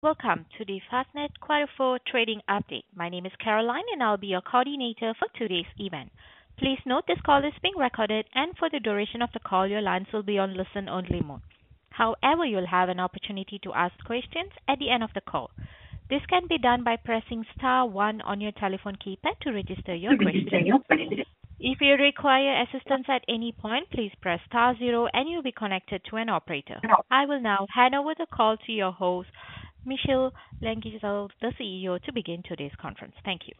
Welcome to the Fastned quarter four trading update. My name is Caroline, and I'll be your coordinator for today's event. Please note this call is being recorded, and for the duration of the call, your lines will be on listen-only mode. However, you'll have an opportunity to ask questions at the end of the call. This can be done by pressing star one on your telephone keypad to register your question. If you require assistance at any point, please press star zero and you'll be connected to an operator. I will now hand over the call to your host, Michiel Langezaal, the CEO, to begin today's conference. Thank you.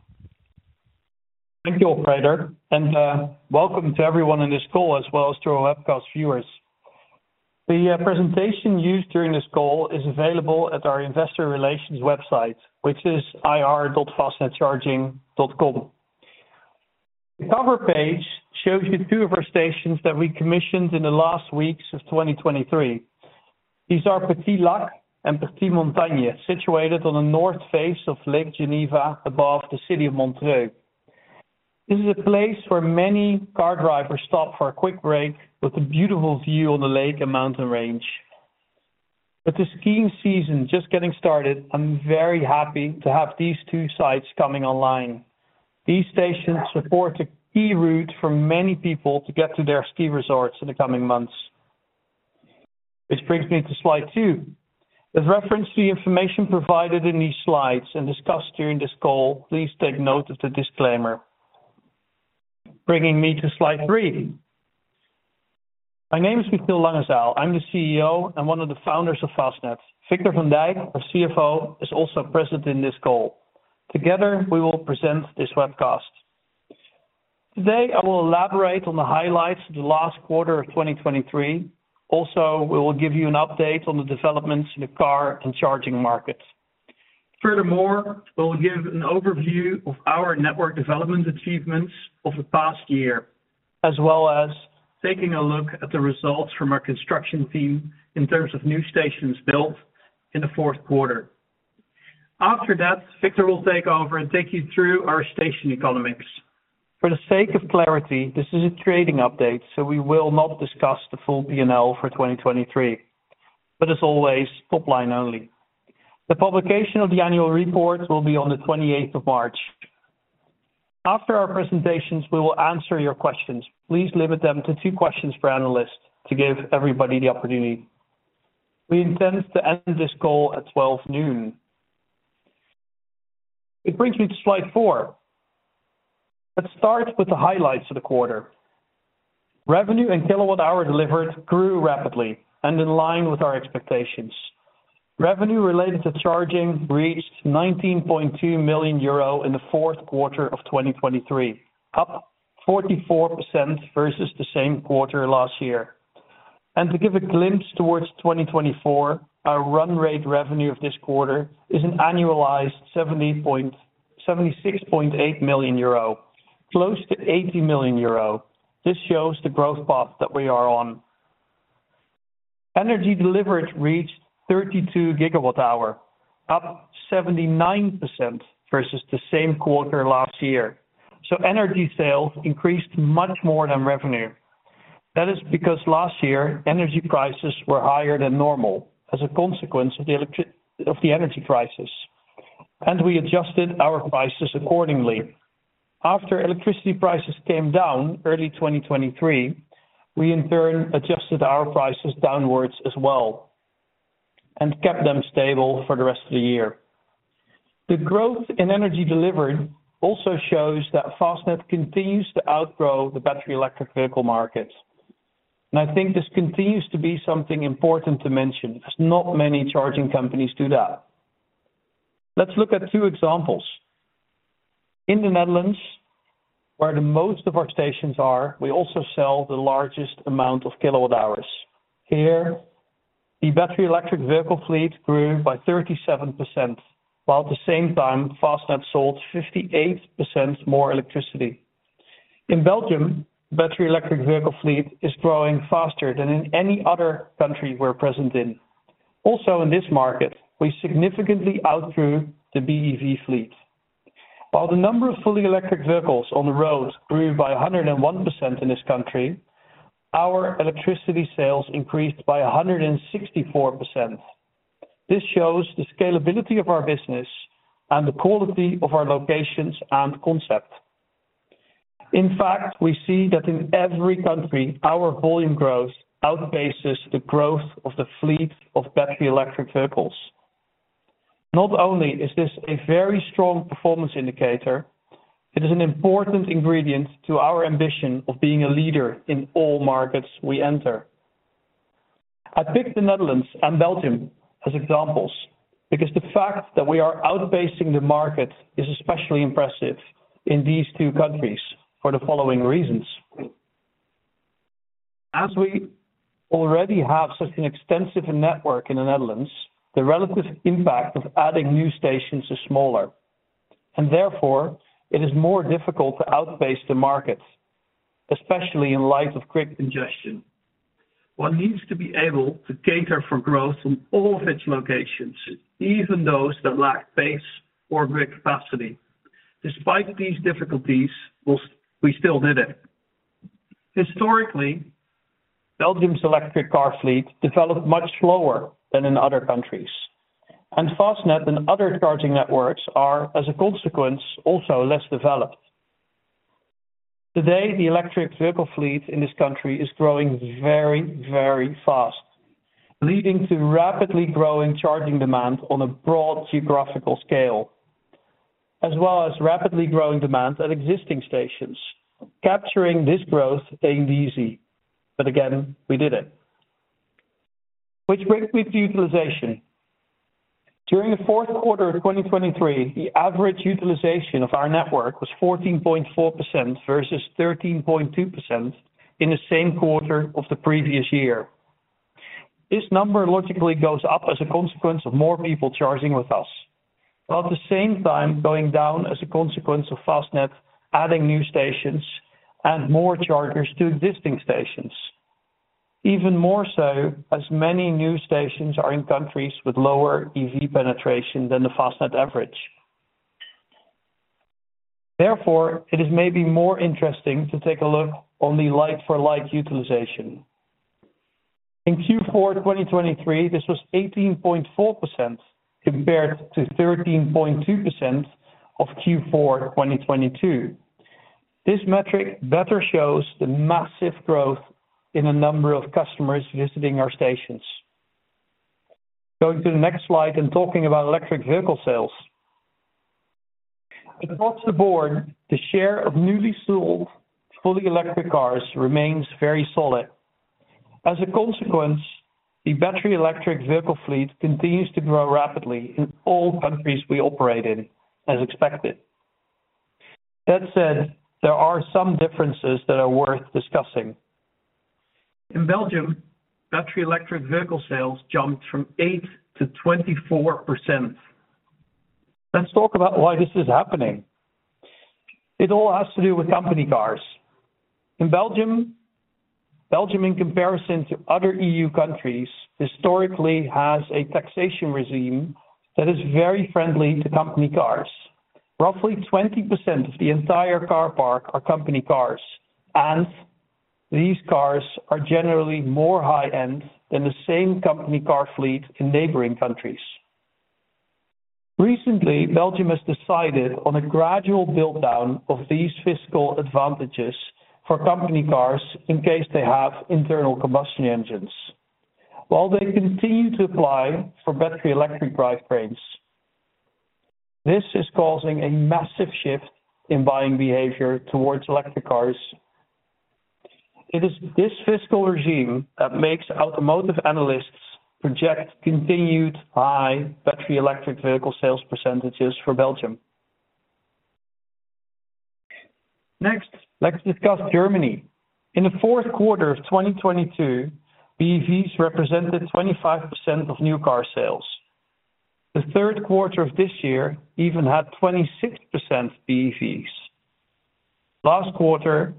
Thank you, operator, and, welcome to everyone on this call, as well as to our webcast viewers. The presentation used during this call is available at our investor relations website, which is ir.fastnedcharging.com. The cover page shows you two of our stations that we commissioned in the last weeks of 2023. These are Pertit Lac and Pertit Montagne, situated on the north face of Lake Geneva, above the city of Montreux. This is a place where many car drivers stop for a quick break, with a beautiful view on the lake and mountain range. With the skiing season just getting started, I'm very happy to have these two sites coming online. These stations support a key route for many people to get to their ski resorts in the coming months. This brings me to slide two. With reference to the information provided in these slides and discussed during this call, please take note of the disclaimer. Bringing me to slide three. My name is Michiel Langezaal. I'm the CEO and one of the founders of Fastned. Victor van Dijk, our CFO, is also present in this call. Together, we will present this webcast. Today, I will elaborate on the highlights of the last quarter of 2023. Also, we will give you an update on the developments in the car and charging markets. Furthermore, we'll give an overview of our network development achievements over the past year, as well as taking a look at the results from our construction team in terms of new stations built in the fourth quarter. After that, Victor will take over and take you through our station economics. For the sake of clarity, this is a trading update, so we will not discuss the full P&L for 2023, but as always, top line only. The publication of the annual report will be on the 28th of March. After our presentations, we will answer your questions. Please limit them to two questions per analyst to give everybody the opportunity. We intend to end this call at 12:00 noon. It brings me to slide four. Let's start with the highlights of the quarter. Revenue and kilowatt hour delivered grew rapidly and in line with our expectations. Revenue related to charging reached 19.2 million euro in the fourth quarter of 2023, up 44% versus the same quarter last year. To give a glimpse towards 2024, our run rate revenue of this quarter is an annualized 76.8 million euro, close to 80 million euro. This shows the growth path that we are on. Energy delivered reached 32 GWh, up 79% versus the same quarter last year, so energy sales increased much more than revenue. That is because last year, energy prices were higher than normal as a consequence of the energy crisis, and we adjusted our prices accordingly. After electricity prices came down early 2023, we in turn adjusted our prices downwards as well and kept them stable for the rest of the year. The growth in energy delivered also shows that Fastned continues to outgrow the battery electric vehicle market, and I think this continues to be something important to mention, as not many charging companies do that. Let's look at two examples. In the Netherlands, where the most of our stations are, we also sell the largest amount of kilowatt hours. Here, the battery electric vehicle fleet grew by 37%, while at the same time, Fastned sold 58% more electricity. In Belgium, battery electric vehicle fleet is growing faster than in any other country we're present in. Also, in this market, we significantly outgrew the BEV fleet. While the number of fully electric vehicles on the road grew by 101% in this country, our electricity sales increased by 164%. This shows the scalability of our business and the quality of our locations and concept. In fact, we see that in every country, our volume growth outpaces the growth of the fleet of battery electric vehicles. Not only is this a very strong performance indicator, it is an important ingredient to our ambition of being a leader in all markets we enter. I picked the Netherlands and Belgium as examples because the fact that we are outpacing the market is especially impressive in these two countries for the following reasons: As we already have such an extensive network in the Netherlands, the relative impact of adding new stations is smaller, and therefore, it is more difficult to outpace the markets, especially in light of grid congestion. One needs to be able to cater for growth in all of its locations, even those that lack space or grid capacity. Despite these difficulties, we still did it. Historically, Belgium's electric car fleet developed much slower than in other countries, and Fastned and other charging networks are, as a consequence, also less developed. Today, the electric vehicle fleet in this country is growing very, very fast, leading to rapidly growing charging demand on a broad geographical scale, as well as rapidly growing demand at existing stations. Capturing this growth ain't easy, but again, we did it. Which brings me to utilization. During the fourth quarter of 2023, the average utilization of our network was 14.4%, versus 13.2% in the same quarter of the previous year. This number logically goes up as a consequence of more people charging with us, while at the same time going down as a consequence of Fastned adding new stations and more chargers to existing stations. Even more so, as many new stations are in countries with lower EV penetration than the Fastned average. Therefore, it is maybe more interesting to take a look on the like-for-like utilization. In Q4 2023, this was 18.4%, compared to 13.2% of Q4 2022. This metric better shows the massive growth in a number of customers visiting our stations. Going to the next slide and talking about electric vehicle sales. Across the board, the share of newly sold fully electric cars remains very solid. As a consequence, the battery electric vehicle fleet continues to grow rapidly in all countries we operate in, as expected. That said, there are some differences that are worth discussing. In Belgium, battery electric vehicle sales jumped from 8% to 24%. Let's talk about why this is happening. It all has to do with company cars. In Belgium, Belgium, in comparison to other EU countries, historically has a taxation regime that is very friendly to company cars. Roughly 20% of the entire car park are company cars, and these cars are generally more high-end than the same company car fleet in neighboring countries. Recently, Belgium has decided on a gradual build-down of these fiscal advantages for company cars in case they have internal combustion engines, while they continue to apply for battery electric drive frames. This is causing a massive shift in buying behavior towards electric cars. It is this fiscal regime that makes automotive analysts project continued high battery electric vehicle sales percentages for Belgium. Next, let's discuss Germany. In the fourth quarter of 2022, BEVs represented 25% of new car sales. The third quarter of this year even had 26% BEVs. Last quarter,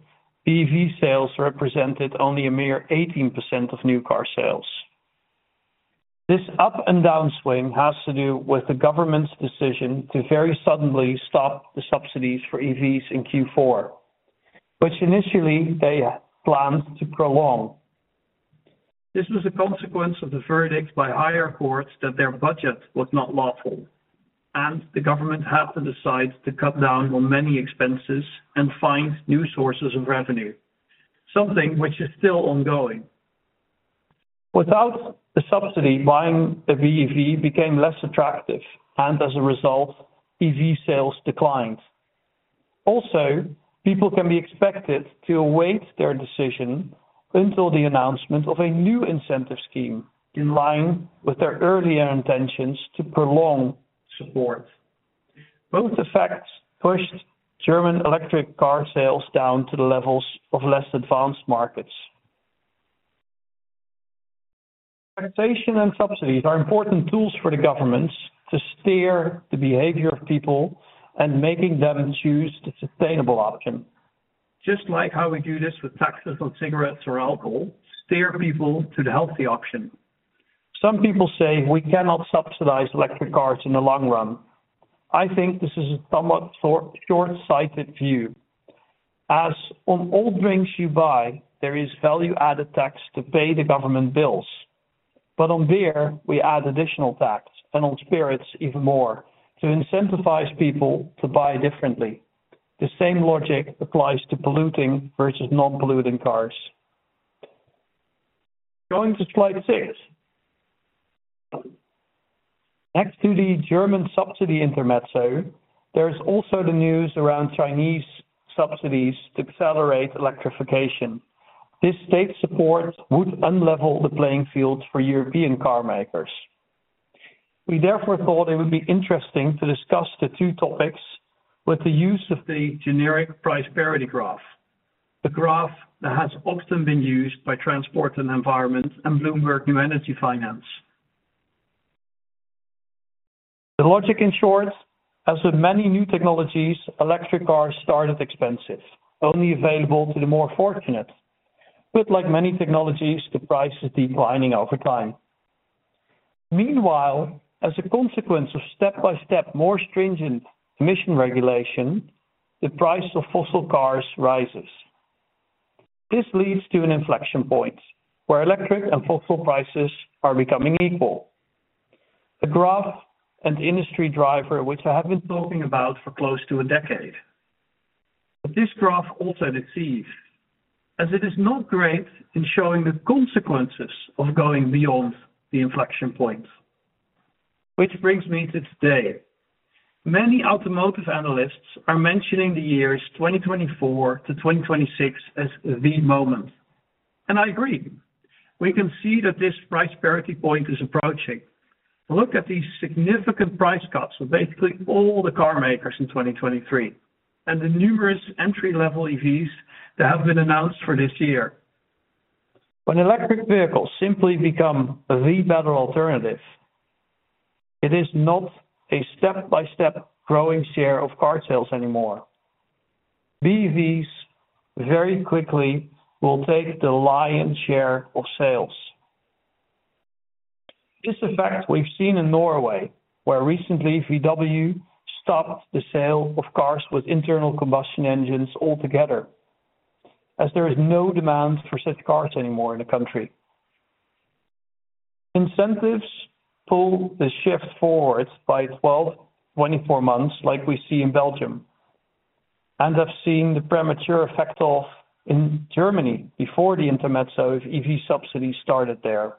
BEV sales represented only a mere 18% of new car sales. This up and down swing has to do with the government's decision to very suddenly stop the subsidies for EVs in Q4, which initially they had planned to prolong. This was a consequence of the verdict by higher courts that their budget was not lawful, and the government had to decide to cut down on many expenses and find new sources of revenue, something which is still ongoing. Without the subsidy, buying a BEV became less attractive, and as a result, EV sales declined. Also, people can be expected to await their decision until the announcement of a new incentive scheme, in line with their earlier intentions to prolong support. Both effects pushed German electric car sales down to the levels of less advanced markets. Taxation and subsidies are important tools for the governments to steer the behavior of people and making them choose the sustainable option. Just like how we do this with taxes on cigarettes or alcohol, steer people to the healthy option. Some people say we cannot subsidize electric cars in the long run. I think this is a somewhat short-sighted view, as on all drinks you buy, there is value-added tax to pay the government bills. But on beer, we add additional tax, and on spirits, even more, to incentivize people to buy differently. The same logic applies to polluting versus non-polluting cars. Going to slide six. Next to the German subsidy intermezzo, there's also the news around Chinese subsidies to accelerate electrification. This state support would unlevel the playing field for European car makers. We therefore thought it would be interesting to discuss the two topics with the use of the generic price parity graph. The graph that has often been used by Transport & Environment and Bloomberg New Energy Finance. The logic, in short, as with many new technologies, electric cars started expensive, only available to the more fortunate. But like many technologies, the price is declining over time. Meanwhile, as a consequence of step-by-step, more stringent emission regulation, the price of fossil cars rises. This leads to an inflection point, where electric and fossil prices are becoming equal. The graph and industry driver, which I have been talking about for close to a decade. But this graph also deceives, as it is not great in showing the consequences of going beyond the inflection point. Which brings me to today. Many automotive analysts are mentioning the years 2024-2026 as the moment, and I agree. We can see that this price parity point is approaching. Look at these significant price cuts of basically all the carmakers in 2023, and the numerous entry-level EVs that have been announced for this year. When electric vehicles simply become the better alternative, it is not a step-by-step growing share of car sales anymore. BEVs very quickly will take the lion's share of sales. This effect we've seen in Norway, where recently VW stopped the sale of cars with internal combustion engines altogether, as there is no demand for such cars anymore in the country. Incentives pull the shift forward by 12-24 months, like we see in Belgium, and I've seen the premature effect of in Germany before the intermezzo of EV subsidies started there.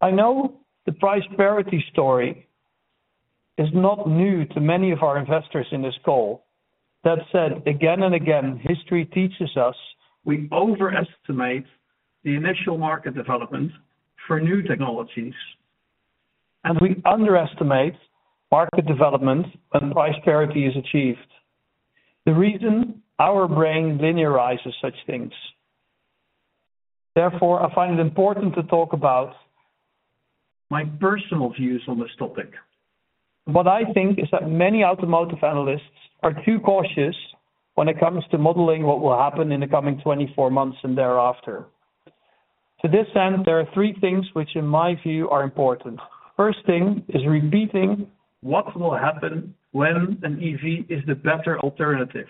I know the price parity story is not new to many of our investors in this call. That said, again and again, history teaches us we overestimate the initial market development for new technologies, and we underestimate market development when price parity is achieved. The reason our brain linearizes such things. Therefore, I find it important to talk about my personal views on this topic. What I think is that many automotive analysts are too cautious when it comes to modeling what will happen in the coming 24 months and thereafter. To this end, there are three things which, in my view, are important. First thing is repeating what will happen when an EV is the better alternative.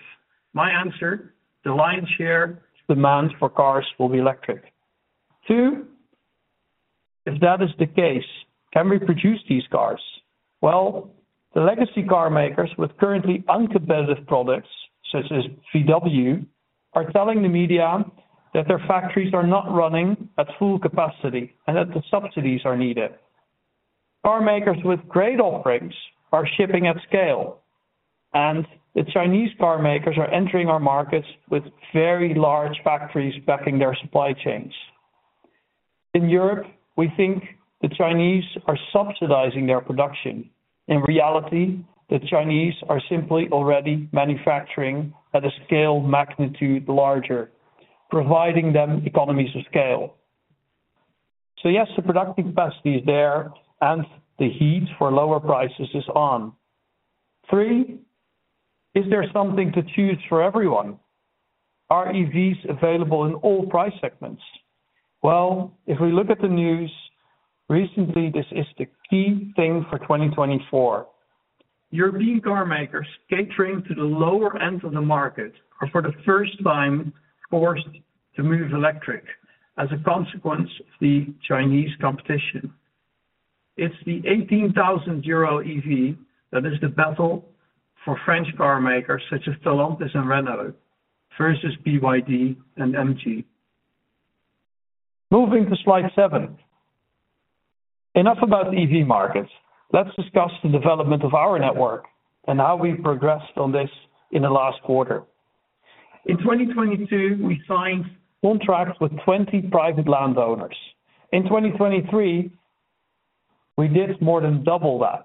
My answer, the lion's share, demand for cars will be electric. Two, if that is the case, can we produce these cars? Well, the legacy carmakers with currently uncompetitive products, such as VW, are telling the media that their factories are not running at full capacity and that the subsidies are needed. Carmakers with great offerings are shipping at scale, and the Chinese carmakers are entering our markets with very large factories backing their supply chains. In Europe, we think the Chinese are subsidizing their production. In reality, the Chinese are simply already manufacturing at a scale magnitude larger, providing them economies of scale. So yes, the productive capacity is there and the heat for lower prices is on. Three, is there something to choose for everyone? Are EVs available in all price segments? Well, if we look at the news, recently, this is the key thing for 2024. European carmakers, catering to the lower end of the market, are for the first time, forced to move electric as a consequence of the Chinese competition. It's the 18,000 euro EV that is the battle for French carmakers such as Stellantis and Renault, versus BYD and MG. Moving to slide seven. Enough about EV markets. Let's discuss the development of our network and how we progressed on this in the last quarter. In 2022, we signed contracts with 20 private landowners. In 2023, we did more than double that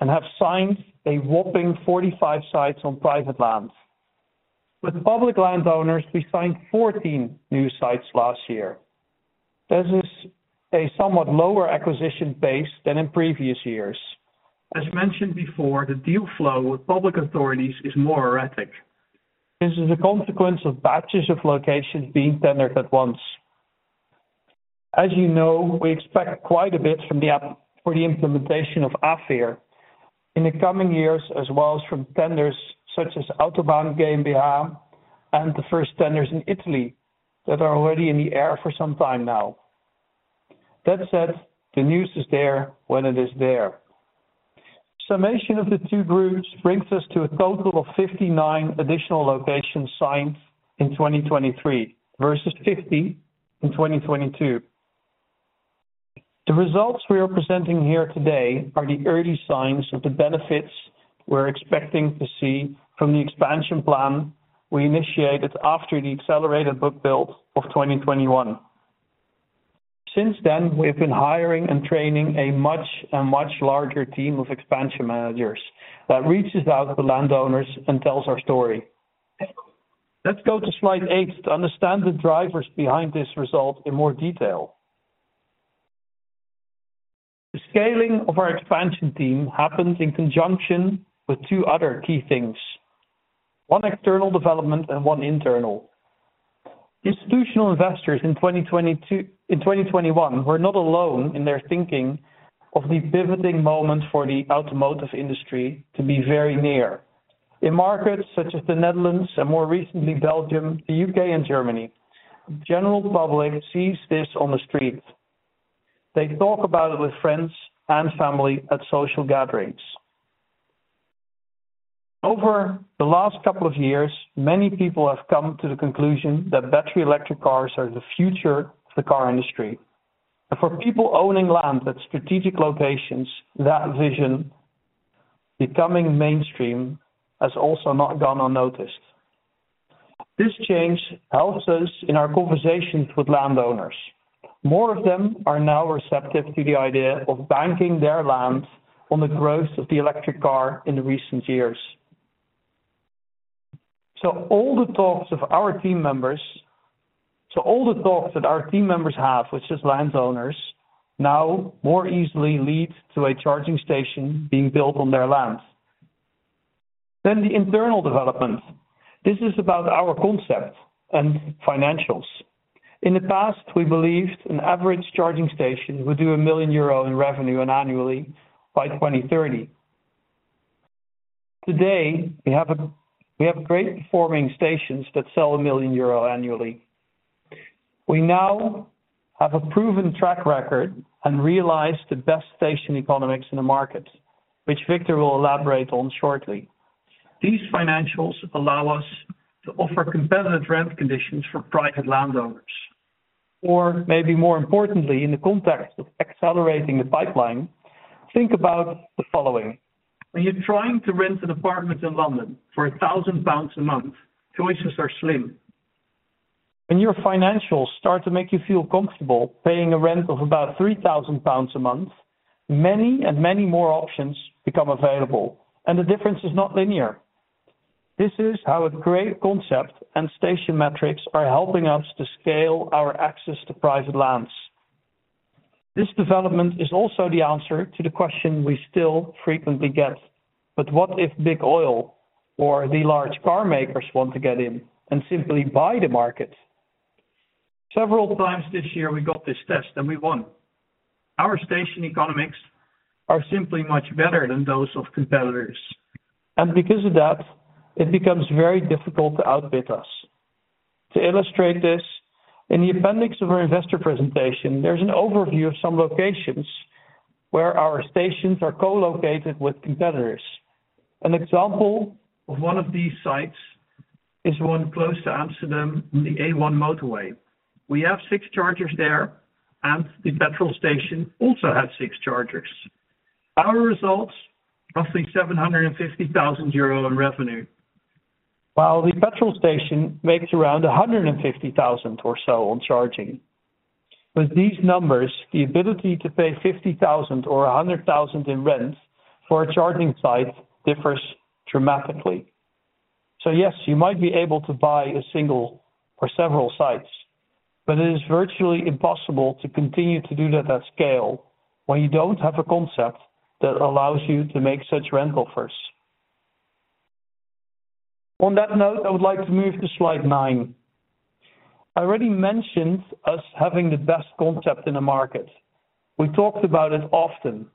and have signed a whopping 45 sites on private land. With public landowners, we signed 14 new sites last year. This is a somewhat lower acquisition base than in previous years. As mentioned before, the deal flow with public authorities is more erratic. This is a consequence of batches of locations being tendered at once. As you know, we expect quite a bit from the app for the implementation of AFIR in the coming years, as well as from tenders such as Autobahn GmbH, and the first tenders in Italy that are already in the air for some time now. That said, the news is there when it is there. Summation of the two groups brings us to a total of 59 additional locations signed in 2023 versus 50 in 2022. The results we are presenting here today are the early signs of the benefits we're expecting to see from the expansion plan we initiated after the accelerated book build of 2021. Since then, we've been hiring and training a much larger team of expansion managers that reaches out to landowners and tells our story. Let's go to slide 8 to understand the drivers behind this result in more detail. The scaling of our expansion team happened in conjunction with two other key things, one external development and one internal. Institutional investors in 2022, in 2021 were not alone in their thinking of the pivoting moment for the automotive industry to be very near. In markets such as the Netherlands and more recently, Belgium, the U.K. and Germany, general public sees this on the street. They talk about it with friends and family at social gatherings. Over the last couple of years, many people have come to the conclusion that battery electric cars are the future of the car industry. And for people owning land at strategic locations, that vision becoming mainstream has also not gone unnoticed. This change helps us in our conversations with landowners. More of them are now receptive to the idea of banking their land on the growth of the electric car in the recent years. So all the talks of our team members, so all the talks that our team members have, which is landowners, now more easily lead to a charging station being built on their land. Then the internal development. This is about our concept and financials. In the past, we believed an average charging station would do 1 million euro in revenue annually by 2030. Today, we have great performing stations that sell 1 million euro annually. We now have a proven track record and realize the best station economics in the market, which Victor will elaborate on shortly. These financials allow us to offer competitive rent conditions for private landowners, or maybe more importantly, in the context of accelerating the pipeline, think about the following: when you're trying to rent an apartment in London for 1,000 pounds a month, choices are slim. When your financials start to make you feel comfortable paying a rent of about 3,000 pounds a month, many and many more options become available, and the difference is not linear. This is how a great concept and station metrics are helping us to scale our access to private lands. This development is also the answer to the question we still frequently get, but what if big oil or the large car makers want to get in and simply buy the market? Several times this year, we got this test and we won. Our station economics are simply much better than those of competitors, and because of that, it becomes very difficult to outbid us. To illustrate this, in the appendix of our investor presentation, there's an overview of some locations where our stations are co-located with competitors. An example of one of these sites is one close to Amsterdam in the A1 motorway. We have six chargers there, and the petrol station also has six chargers. Our results, roughly 750,000 euro in revenue, while the petrol station makes around 150,000 or so on charging. With these numbers, the ability to pay 50,000 or 100,000 in rent for a charging site differs dramatically. So yes, you might be able to buy a single or several sites, but it is virtually impossible to continue to do that at scale when you don't have a concept that allows you to make such rent offers. On that note, I would like to move to slide nine. I already mentioned us having the best concept in the market. We talked about it often,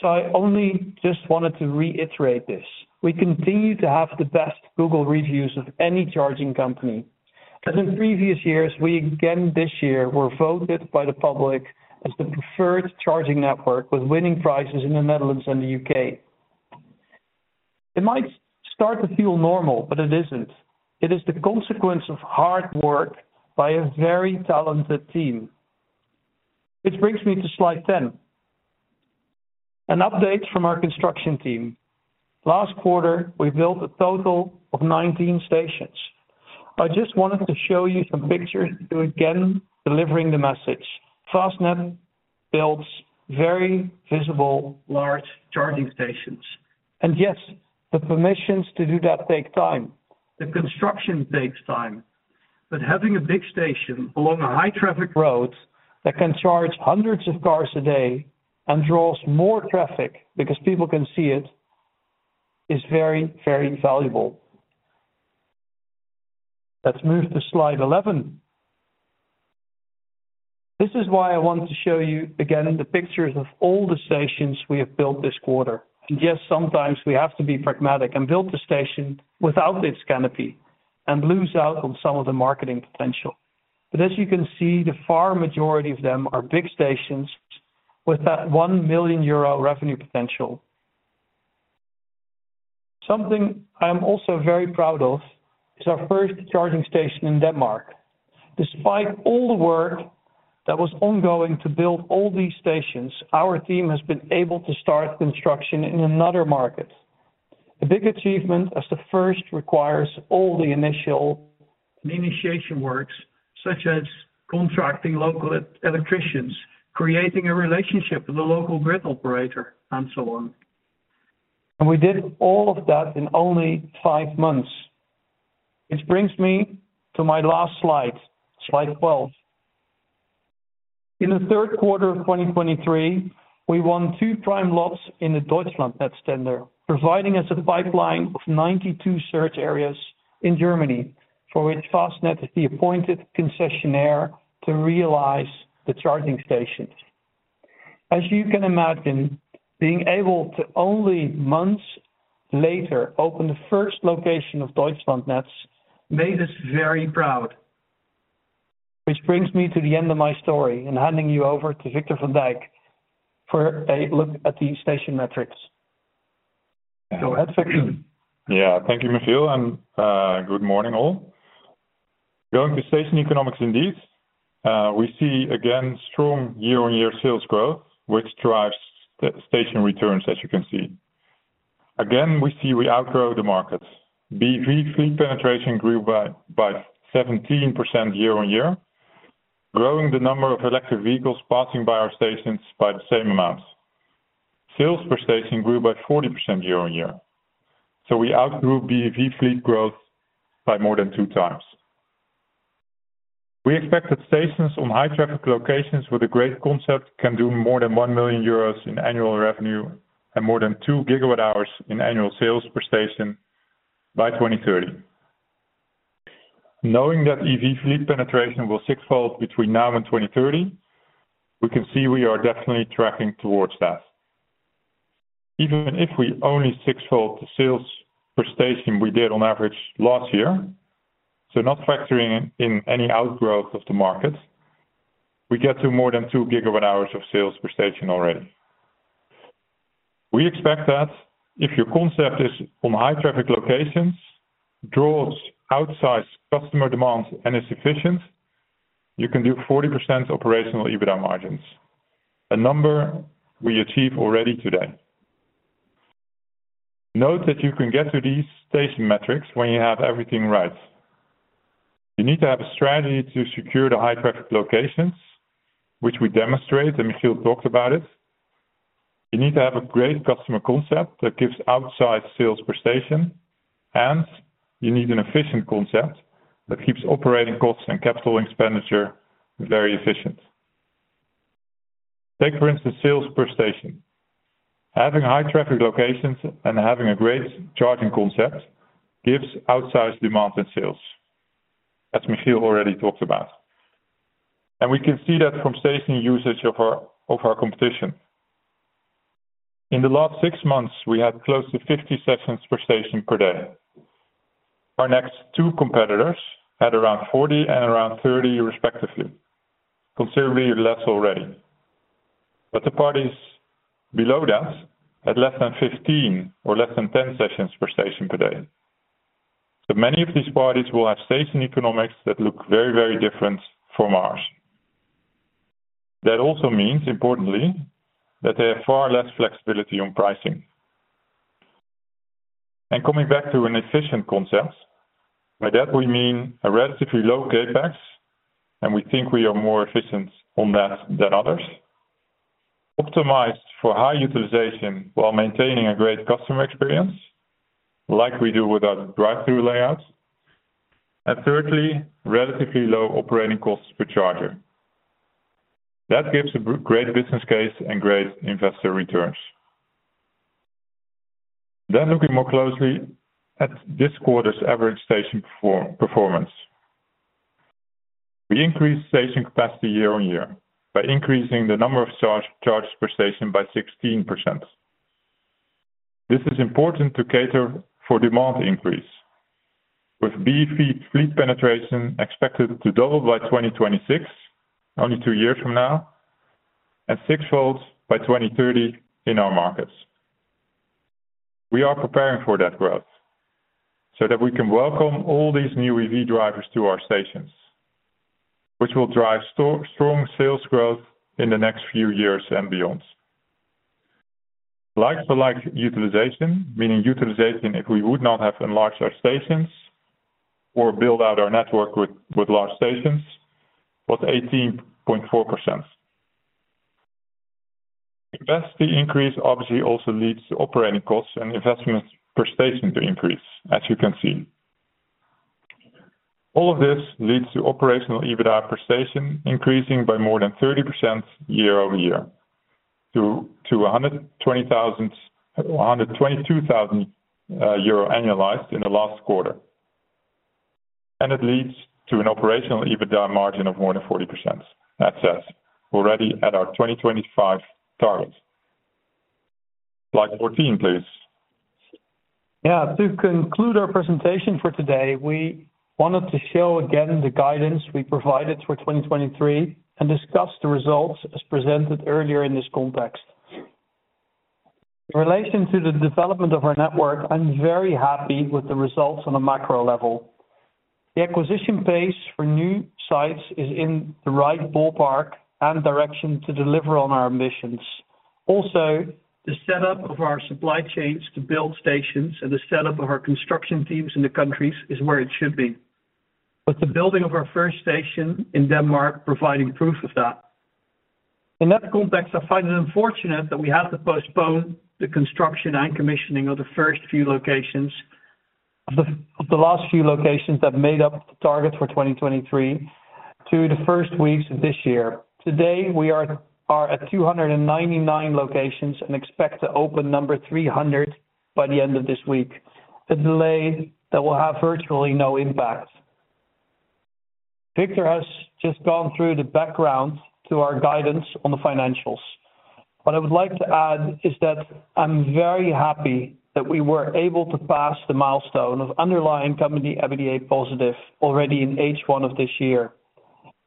so I only just wanted to reiterate this. We continue to have the best Google reviews of any charging company, and in previous years, we again, this year, were voted by the public as the preferred charging network, with winning prizes in the Netherlands and the U.K. It might start to feel normal, but it isn't. It is the consequence of hard work by a very talented team. Which brings me to slide 10. An update from our construction team. Last quarter, we built a total of 19 stations. I just wanted to show you some pictures to, again, delivering the message. Fastned builds very visible, large charging stations. And yes, the permissions to do that take time. The construction takes time, but having a big station along a high traffic road that can charge hundreds of cars a day and draws more traffic because people can see it, is very, very valuable. Let's move to slide 11. This is why I want to show you again, the pictures of all the stations we have built this quarter. And yes, sometimes we have to be pragmatic and build the station without its canopy, and lose out on some of the marketing potential. But as you can see, the far majority of them are big stations with that 1 million euro revenue potential. Something I am also very proud of is our first charging station in Denmark. Despite all the work that was ongoing to build all these stations, our team has been able to start construction in another market. A big achievement, as the first requires all the initial and initiation works, such as contracting local electricians, creating a relationship with the local grid operator, and so on. We did all of that in only five months. Which brings me to my last slide, slide 12. In the third quarter of 2023, we won two prime lots in the Deutschlandnetz tender, providing us a pipeline of 92 search areas in Germany, for which Fastned is the appointed concessionaire to realize the charging stations. As you can imagine, being able to only months later open the first location of Deutschlandnetz made us very proud. Which brings me to the end of my story, and handing you over to Victor van Dijk, for a look at the station metrics. Go ahead, Victor. Yeah. Thank you, Michiel, and good morning, all. Going to station economics indeed, we see again strong year-on-year sales growth, which drives the station returns, as you can see. Again, we see we outgrow the markets. BEV fleet penetration grew by 17% year-on-year, growing the number of electric vehicles passing by our stations by the same amount. Sales per station grew by 40% year-on-year, so we outgrew BEV fleet growth by more than 2x. We expect that stations on high traffic locations with a great concept can do more than 1 million euros in annual revenue and more than 2 GWh in annual sales per station by 2030. Knowing that EV fleet penetration will sixfold between now and 2030, we can see we are definitely tracking towards that. Even if we only sixfold the sales per station we did on average last year, so not factoring in any outgrowth of the market, we get to more than 2 GWh of sales per station already. We expect that if your concept is on high traffic locations, draws outsized customer demands, and is efficient, you can do 40% operational EBITDA margins, a number we achieve already today. Note that you can get to these station metrics when you have everything right. You need to have a strategy to secure the high traffic locations, which we demonstrate, and Michiel talked about it. You need to have a great customer concept that gives outside sales per station, and you need an efficient concept that keeps operating costs and capital expenditure very efficient. Take, for instance, sales per station. Having high traffic locations and having a great charging concept gives outsized demand and sales, as Michiel already talked about, and we can see that from station usage of our competition. In the last six months, we had close to 50 sessions per station per day. Our next two competitors had around 40 and around 30, respectively. Considerably less already. But the parties below us had less than 15 or less than 10 sessions per station per day. So many of these parties will have station economics that look very, very different from ours. That also means, importantly, that they have far less flexibility on pricing. And coming back to an efficient concept, by that we mean a relatively low CapEx, and we think we are more efficient on that than others. Optimized for high utilization while maintaining a great customer experience, like we do with our drive-through layouts. And thirdly, relatively low operating costs per charger. That gives a great business case and great investor returns. Looking more closely at this quarter's average station performance. We increased station capacity year-on-year by increasing the number of charges per station by 16%. This is important to cater for demand increase, with BEV fleet penetration expected to double by 2026, only two years from now, and sixfold by 2030 in our markets. We are preparing for that growth so that we can welcome all these new EV drivers to our stations, which will drive strong sales growth in the next few years and beyond. Like-for-like utilization, meaning utilization, if we would not have enlarged our stations or build out our network with, with large stations, was 18.4%. Investment increase obviously also leads to operating costs and investments per station to increase, as you can see. All of this leads to operational EBITDA per station, increasing by more than 30% year-on-year, to, to 120,000, 122,000 euro annualized in the last quarter. And it leads to an operational EBITDA margin of more than 40%. That's us, already at our 2025 target. Slide 14, please. Yeah, to conclude our presentation for today, we wanted to show again the guidance we provided for 2023 and discuss the results as presented earlier in this context. In relation to the development of our network, I'm very happy with the results on a macro level. The acquisition pace for new sites is in the right ballpark and direction to deliver on our ambitions. Also, the setup of our supply chains to build stations and the setup of our construction teams in the countries is where it should be. But the building of our first station in Denmark, providing proof of that. In that context, I find it unfortunate that we have to postpone the construction and commissioning of the first few locations, the last few locations that made up the target for 2023 to the first weeks of this year. Today, we are at 299 locations and expect to open number 300 by the end of this week. A delay that will have virtually no impact. Victor has just gone through the background to our guidance on the financials. What I would like to add is that I'm very happy that we were able to pass the milestone of underlying company EBITDA positive already in H1 of this year.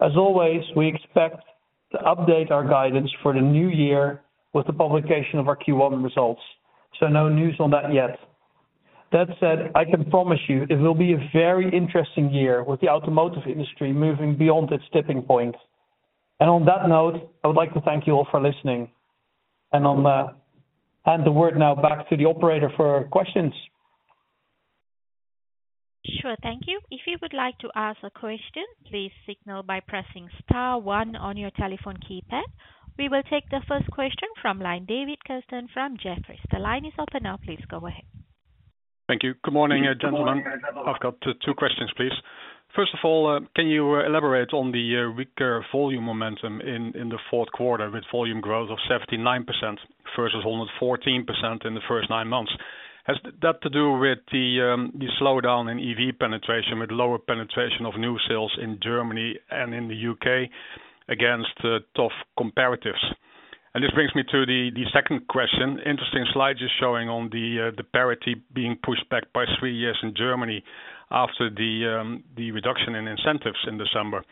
As always, we expect to update our guidance for the new year with the publication of our Q1 results, so no news on that yet. That said, I can promise you it will be a very interesting year with the automotive industry moving beyond its tipping point. On that note, I would like to thank you all for listening. On that, hand the word now back to the operator for questions. Sure. Thank you. If you would like to ask a question, please signal by pressing star one on your telephone keypad. We will take the first question from line, David Kerstens from Jefferies. The line is open now. Please go ahead. Thank you. Good morning, gentlemen. Good morning. I've got two questions, please. First of all, can you elaborate on the weaker volume momentum in the fourth quarter, with volume growth of 79% versus 114% in the first nine months? Has that to do with the slowdown in EV penetration, with lower penetration of new sales in Germany and in the U.K. against tough comparatives? This brings me to the second question. Interesting slide you're showing on the parity being pushed back by three years in Germany after the reduction in incentives in December.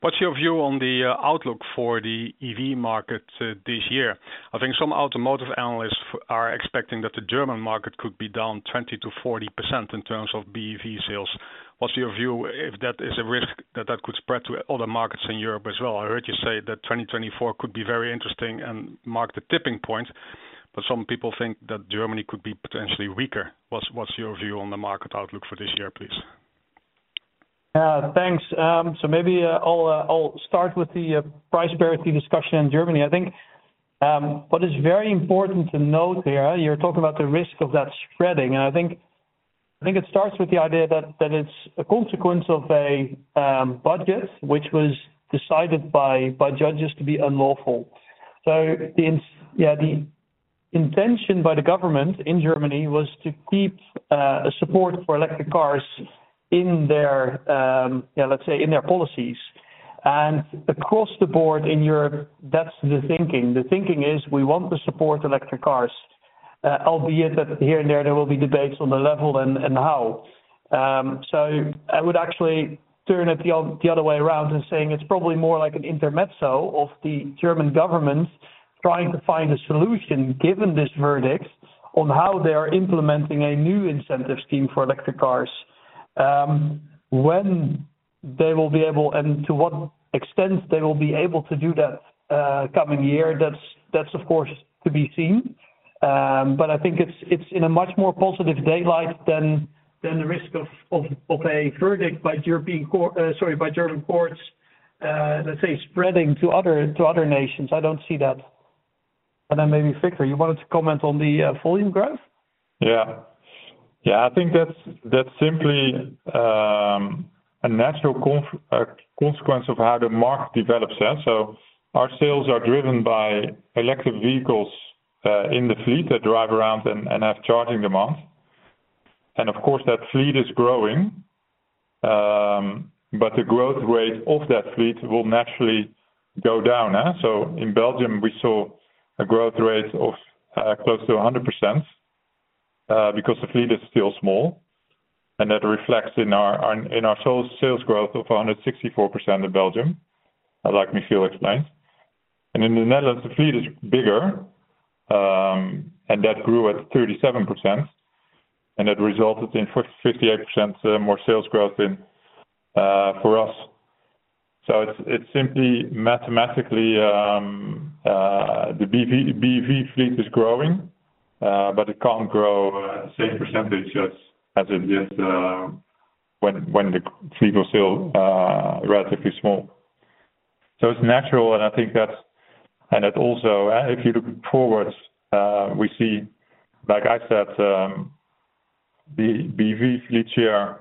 What's your view on the outlook for the EV market this year? I think some automotive analysts are expecting that the German market could be down 20%-40% in terms of BEV sales. What's your view, if that is a risk, that that could spread to other markets in Europe as well? I heard you say that 2024 could be very interesting and mark the tipping point, but some people think that Germany could be potentially weaker. What's, what's your view on the market outlook for this year, please? Thanks. So maybe I'll start with the price parity discussion in Germany. I think what is very important to note there, you're talking about the risk of that spreading, and I think it starts with the idea that it's a consequence of a budget, which was decided by judges to be unlawful. So the intention by the government in Germany was to keep a support for electric cars in their, yeah, let's say, in their policies. Across the board in Europe, that's the thinking. The thinking is we want to support electric cars, albeit that here and there, there will be debates on the level and how. So I would actually turn it the other way around and saying it's probably more like an intermezzo of the German government trying to find a solution, given this verdict, on how they are implementing a new incentive scheme for electric cars. When they will be able, and to what extent they will be able to do that, coming year, that's, of course, to be seen. But I think it's in a much more positive daylight than the risk of a verdict by German courts, let's say, spreading to other nations. I don't see that. And then maybe, Victor, you wanted to comment on the volume graph? Yeah. Yeah, I think that's simply a natural consequence of how the market develops. So our sales are driven by electric vehicles in the fleet that drive around and have charging demand. And of course, that fleet is growing, but the growth rate of that fleet will naturally go down. So in Belgium, we saw a growth rate of close to 100%, because the fleet is still small, and that reflects in our sales growth of 164% in Belgium, like Michiel explained. And in the Netherlands, the fleet is bigger, and that grew at 37%, and that resulted in 58% more sales growth for us. So it's simply mathematically the BEV fleet is growing, but it can't grow at the same percentage as it did when the fleet was still relatively small. So it's natural, and I think that's... And it also, if you look forward, we see, like I said, the BEV fleet share,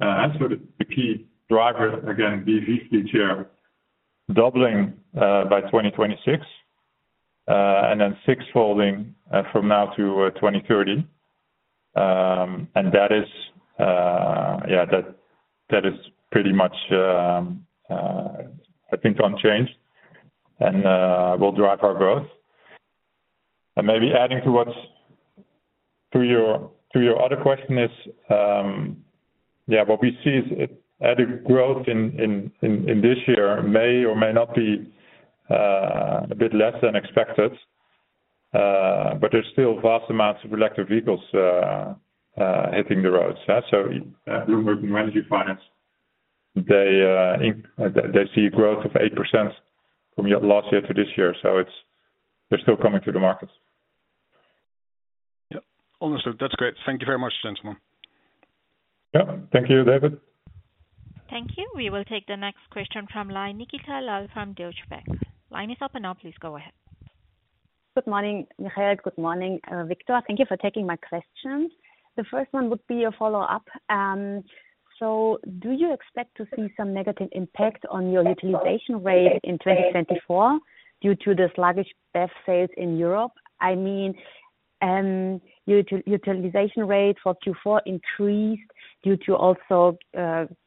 and so the key driver, again, BEV fleet share, doubling by 2026, and then six-folding from now to 2030. And that is, yeah, that is pretty much, I think unchanged and will drive our growth. Maybe adding to what's your other question is, yeah, what we see is added growth in this year may or may not be a bit less than expected, but there's still vast amounts of electric vehicles hitting the roads. So at Bloomberg New Energy Finance, they see growth of 8% from last year to this year, so it's, they're still coming to the markets. Understood. That's great. Thank you very much, gentlemen. Yeah. Thank you, David. Thank you. We will take the next question from line, Nikita Lal from Deutsche Bank. Line is open now, please go ahead. Good morning, Michiel. Good morning, Victor. Thank you for taking my questions. The first one would be a follow-up. So do you expect to see some negative impact on your utilization rate in 2024 due to the sluggish BEV sales in Europe? I mean, utilization rate for Q4 increased due to also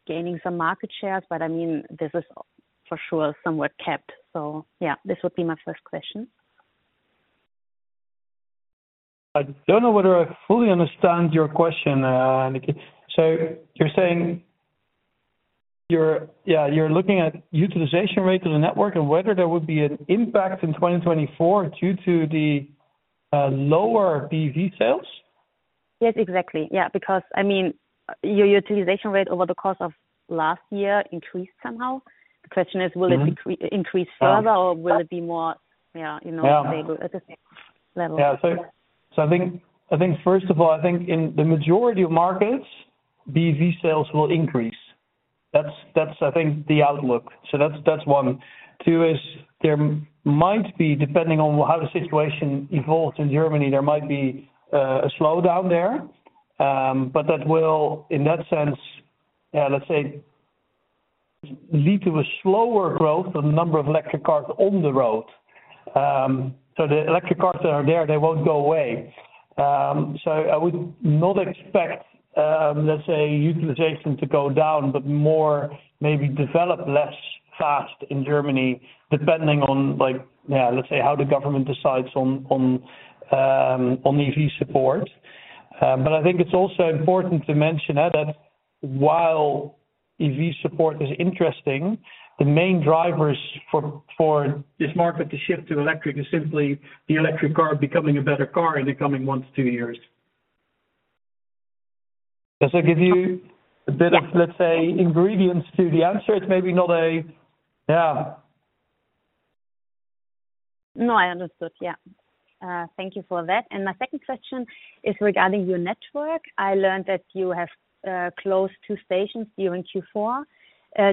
gaining some market shares, but, I mean, this is for sure, somewhat kept. So, yeah, this would be my first question. I don't know whether I fully understand your question, Nikki. So you're saying you're looking at utilization rate of the network and whether there would be an impact in 2024 due to the lower BEV sales? Yes, exactly. Yeah, because, I mean, your utilization rate over the course of last year increased somehow. The question is, will it increase further, or will it be more? Yeah, you know, maybe at the same level. Yeah. So I think first of all, I think in the majority of markets, BEV sales will increase. That's, I think, the outlook. So that's one. Two is, there might be, depending on how the situation evolves in Germany, there might be a slowdown there. But that will, in that sense, let's say, lead to a slower growth of the number of electric cars on the road. So the electric cars that are there, they won't go away. So I would not expect, let's say, utilization to go down, but more maybe develop less fast in Germany, depending on, like, yeah, let's say, how the government decides on EV support. But I think it's also important to mention that while EV support is interesting, the main drivers for this market to shift to electric is simply the electric car becoming a better car in the coming one to two years. Does that give you a bit of- Yeah. Let's say, ingredients to the answer? It's maybe not a... Yeah. No, I understood. Yeah. Thank you for that. And my second question is regarding your network. I learned that you have closed two stations during Q4.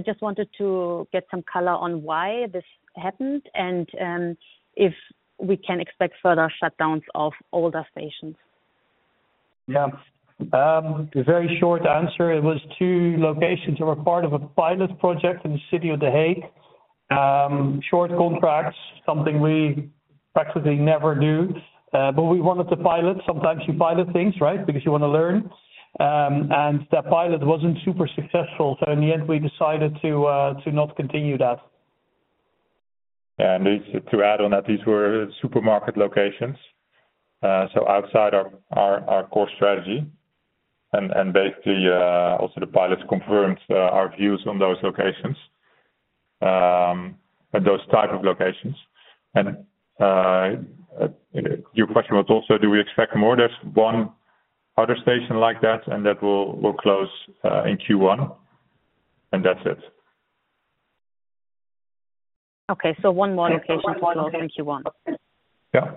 Just wanted to get some color on why this happened, and if we can expect further shutdowns of older stations. Yeah. A very short answer. It was two locations that were part of a pilot project in the city of The Hague. Short contracts, something we practically never do, but we wanted to pilot. Sometimes you pilot things, right? Because you want to learn. And that pilot wasn't super successful, so in the end, we decided to not continue that. And just to add on that, these were supermarket locations. So outside our core strategy and basically also the pilots confirmed our views on those locations, those type of locations. And your question was also, do we expect more? There's one other station like that, and that we'll close in Q1, and that's it. Okay. So one more location will close in Q1. Yeah.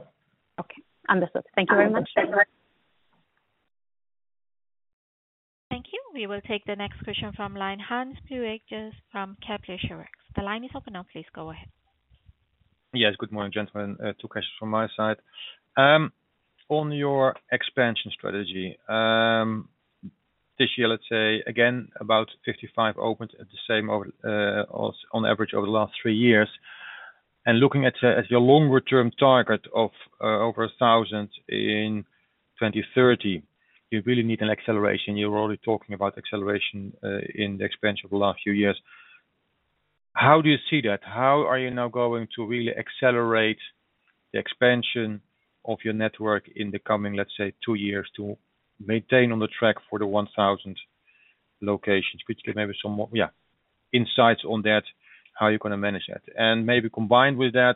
Okay. Understood. Thank you very much. Thank you. We will take the next question from line, Hans Pluijgers from Kepler Cheuvreux. The line is open now, please go ahead. Yes. Good morning, gentlemen. Two questions from my side. On your expansion strategy, this year, let's say, again, about 55 opened at the same over, on average over the last three years. And looking at, at your longer-term target of, over 1,000 in 2030, you really need an acceleration. You were already talking about acceleration, in the expansion of the last few years. How do you see that? How are you now going to really accelerate the expansion of your network in the coming, let's say, two years, to maintain on the track for the 1,000 locations? Could you give maybe some more, yeah, insights on that, how you're gonna manage that? Maybe combined with that,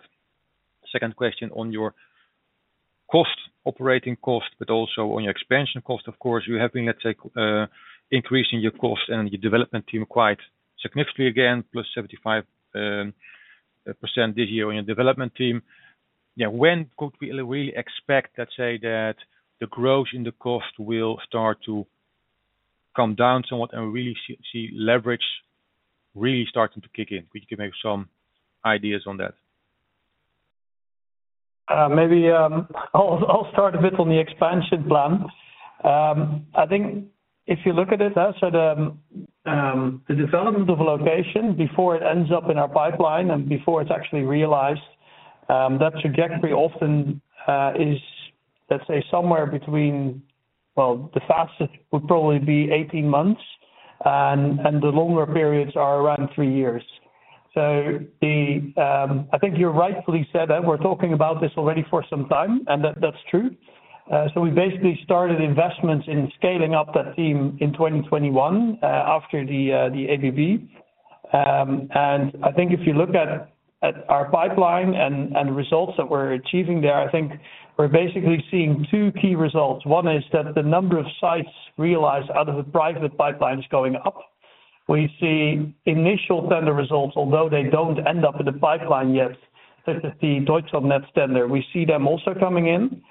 second question on your cost, operating cost, but also on your expansion cost. Of course, you have been, let's say, increasing your cost and your development team quite significantly, again, +75% this year in your development team. Yeah, when could we really expect, let's say, that the growth in the cost will start to come down somewhat and really see leverage really starting to kick in? We can make some ideas on that. Maybe I'll start a bit on the expansion plan. I think if you look at it, so the development of a location before it ends up in our pipeline and before it's actually realized, that trajectory often is, let's say, somewhere between... Well, the fastest would probably be 18 months, and the longer periods are around three years. So I think you rightfully said that we're talking about this already for some time, and that's true. So we basically started investments in scaling up that team in 2021, after the ABB. And I think if you look at our pipeline and results that we're achieving there, I think we're basically seeing two key results. One is that the number of sites realized out of the private pipeline is going up. We see initial tender results, although they don't end up in the pipeline yet, such as the Deutschlandnetz tender. We see them also coming in.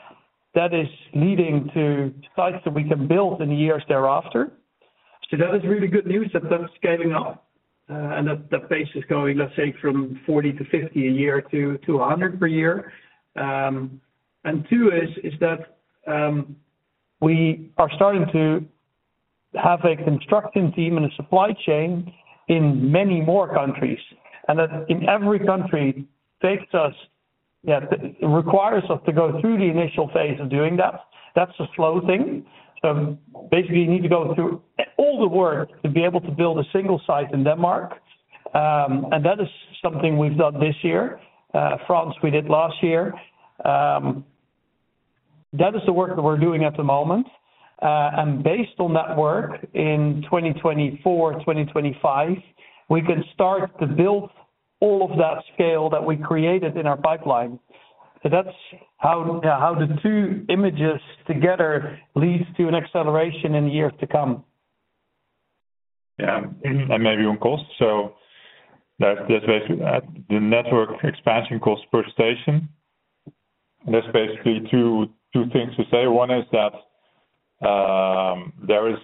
That is leading to sites that we can build in the years thereafter. So that is really good news that they're scaling up, and that the pace is going, let's say, from 40-50 a year to a 100 per year. And two is that we are starting to have a construction team and a supply chain in many more countries, and that in every country takes us, yeah, requires us to go through the initial phase of doing that. That's a slow thing. So basically, you need to go through all the work to be able to build a single site in Denmark, and that is something we've done this year. France, we did last year. That is the work that we're doing at the moment. And based on that work in 2024, 2025, we can start to build all of that scale that we created in our pipeline. So that's how, how the two images together leads to an acceleration in the years to come. Yeah, and maybe on cost. So that's basically the network expansion cost per station. That's basically two things to say. One is that there is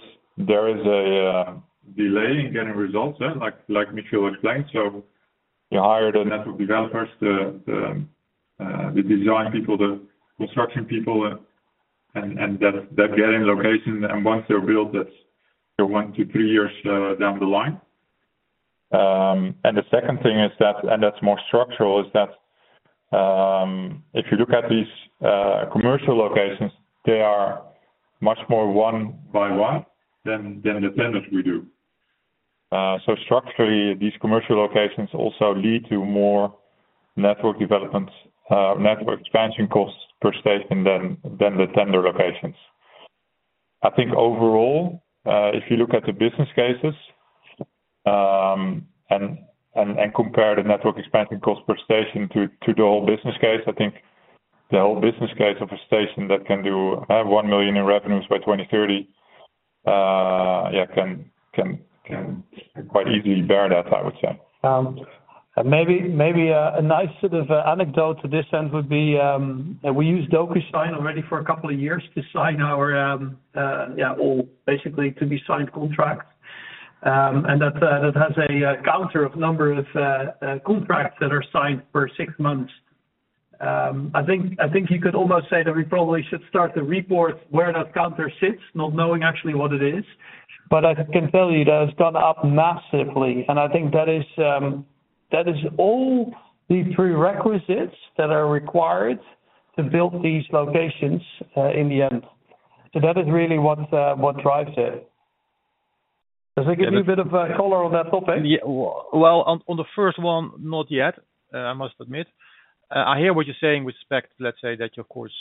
a delay in getting results, yeah, like Michiel explained. So you hire the network developers, the design people, the construction people, and they're getting locations, and once they're built, that's one to three years down the line. And the second thing is that, and that's more structural, is that if you look at these commercial locations, they are much more one by one than the tenders we do. So structurally, these commercial locations also lead to more network development, network expansion costs per station than the tender locations. I think overall, if you look at the business cases, and compare the network expansion cost per station to the whole business case, I think the whole business case of a station that can do 1 million in revenues by 2030, yeah, can quite easily bear that, I would say. Maybe a nice sort of anecdote to this end would be, we use DocuSign already for a couple of years to sign our, all basically to be signed contracts. And that has a counter of number of contracts that are signed for six months. I think you could almost say that we probably should start to report where that counter sits, not knowing actually what it is. But I can tell you that it's gone up massively, and I think that is all the prerequisites that are required to build these locations, in the end. So that is really what drives it. Does that give you a bit of color on that topic? Yeah. Well, on the first one, not yet, I must admit. I hear what you're saying with respect, let's say that, of course,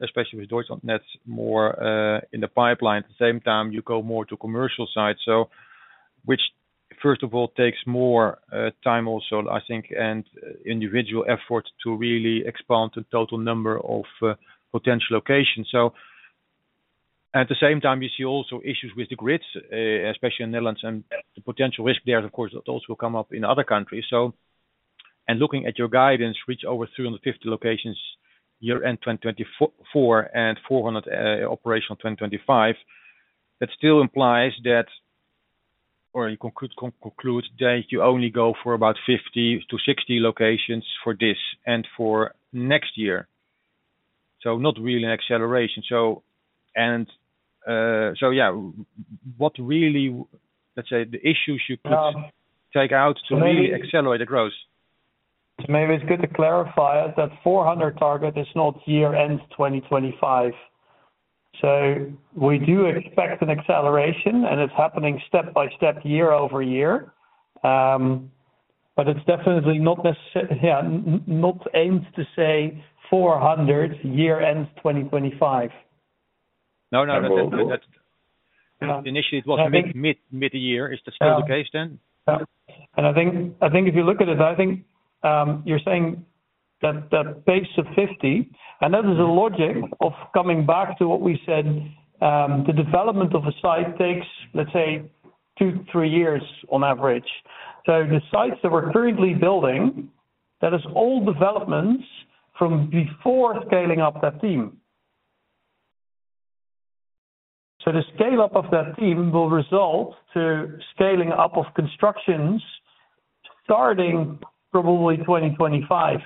especially with Deutschland, that's more in the pipeline. At the same time, you go more to commercial side, so which, first of all, takes more time also, I think, and individual effort to really expand the total number of potential locations. So at the same time, you see also issues with the grids, especially in Netherlands, and the potential risk there, of course, those will come up in other countries. So... Looking at your guidance, which over 350 locations year-end 2024, and 400 operational in 2025, that still implies that, or you conclude that you only go for about 50-60 locations for this and for next year. So not really an acceleration. So yeah, what really, let's say, the issues you put take out to really accelerate the growth? So maybe it's good to clarify that 400 target is not year end 2025. So we do expect an acceleration, and it's happening step by step, year-over-year. But it's definitely not, yeah, not aimed to say 400, year end 2025. No, no, that's- No. Initially, it was mid-year. Is that still the case then? I think, I think if you look at it, I think, you're saying that that pace of 50, and that is the logic of coming back to what we said, the development of a site takes, let's say, two, three years on average. So the sites that we're currently building, that is all developments from before scaling up that team. So the scale-up of that team will result to scaling up of constructions starting probably 2025.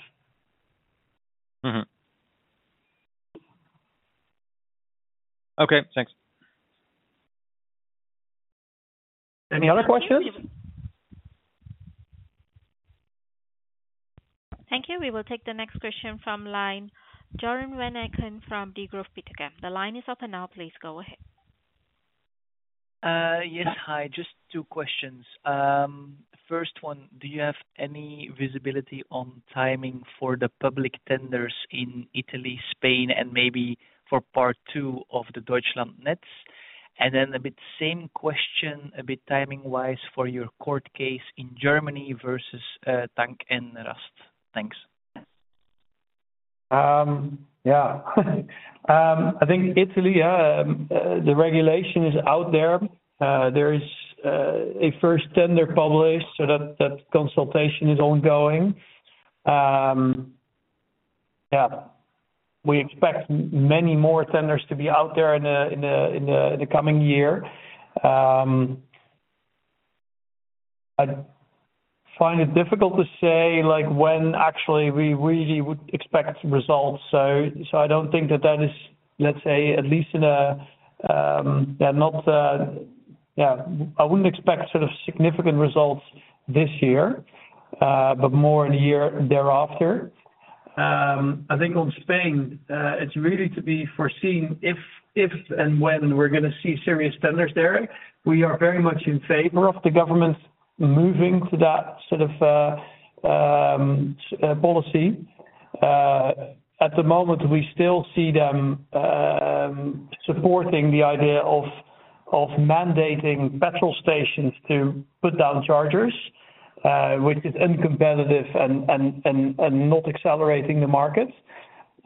Mm-hmm. Okay, thanks. Any other questions? Thank you. We will take the next question from line, Joren Van Aken from Degroof Petercam. The line is open now, please go ahead. Yes. Hi, just two questions. First one, do you have any visibility on timing for the public tenders in Italy, Spain, and maybe for part two of the Deutschlandnetz? And then a bit same question, a bit timing-wise for your court case in Germany versus Tank & Rast. Thanks. Yeah. I think Italy, the regulation is out there. There is a first tender published, so that consultation is ongoing. Yeah, we expect many more tenders to be out there in the coming year. I find it difficult to say, like, when actually we really would expect results. So, I don't think that is, let's say, at least in a, yeah, not, yeah, I wouldn't expect sort of significant results this year, but more in the year thereafter. I think on Spain, it's really to be foreseen if and when we're gonna see serious tenders there. We are very much in favor of the government moving to that sort of policy. At the moment, we still see them supporting the idea of mandating petrol stations to put down chargers, which is uncompetitive and not accelerating the market.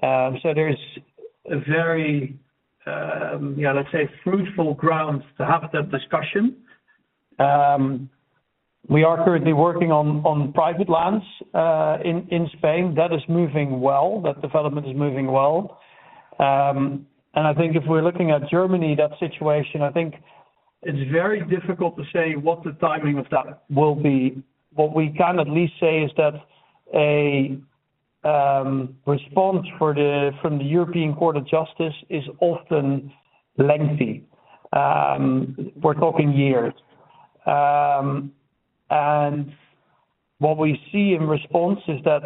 So there's a very, yeah, let's say, fruitful ground to have that discussion. We are currently working on private lands in Spain. That is moving well, that development is moving well. And I think if we're looking at Germany, that situation, I think it's very difficult to say what the timing of that will be. What we can at least say is that a response from the European Court of Justice is often lengthy. We're talking years. And what we see in response is that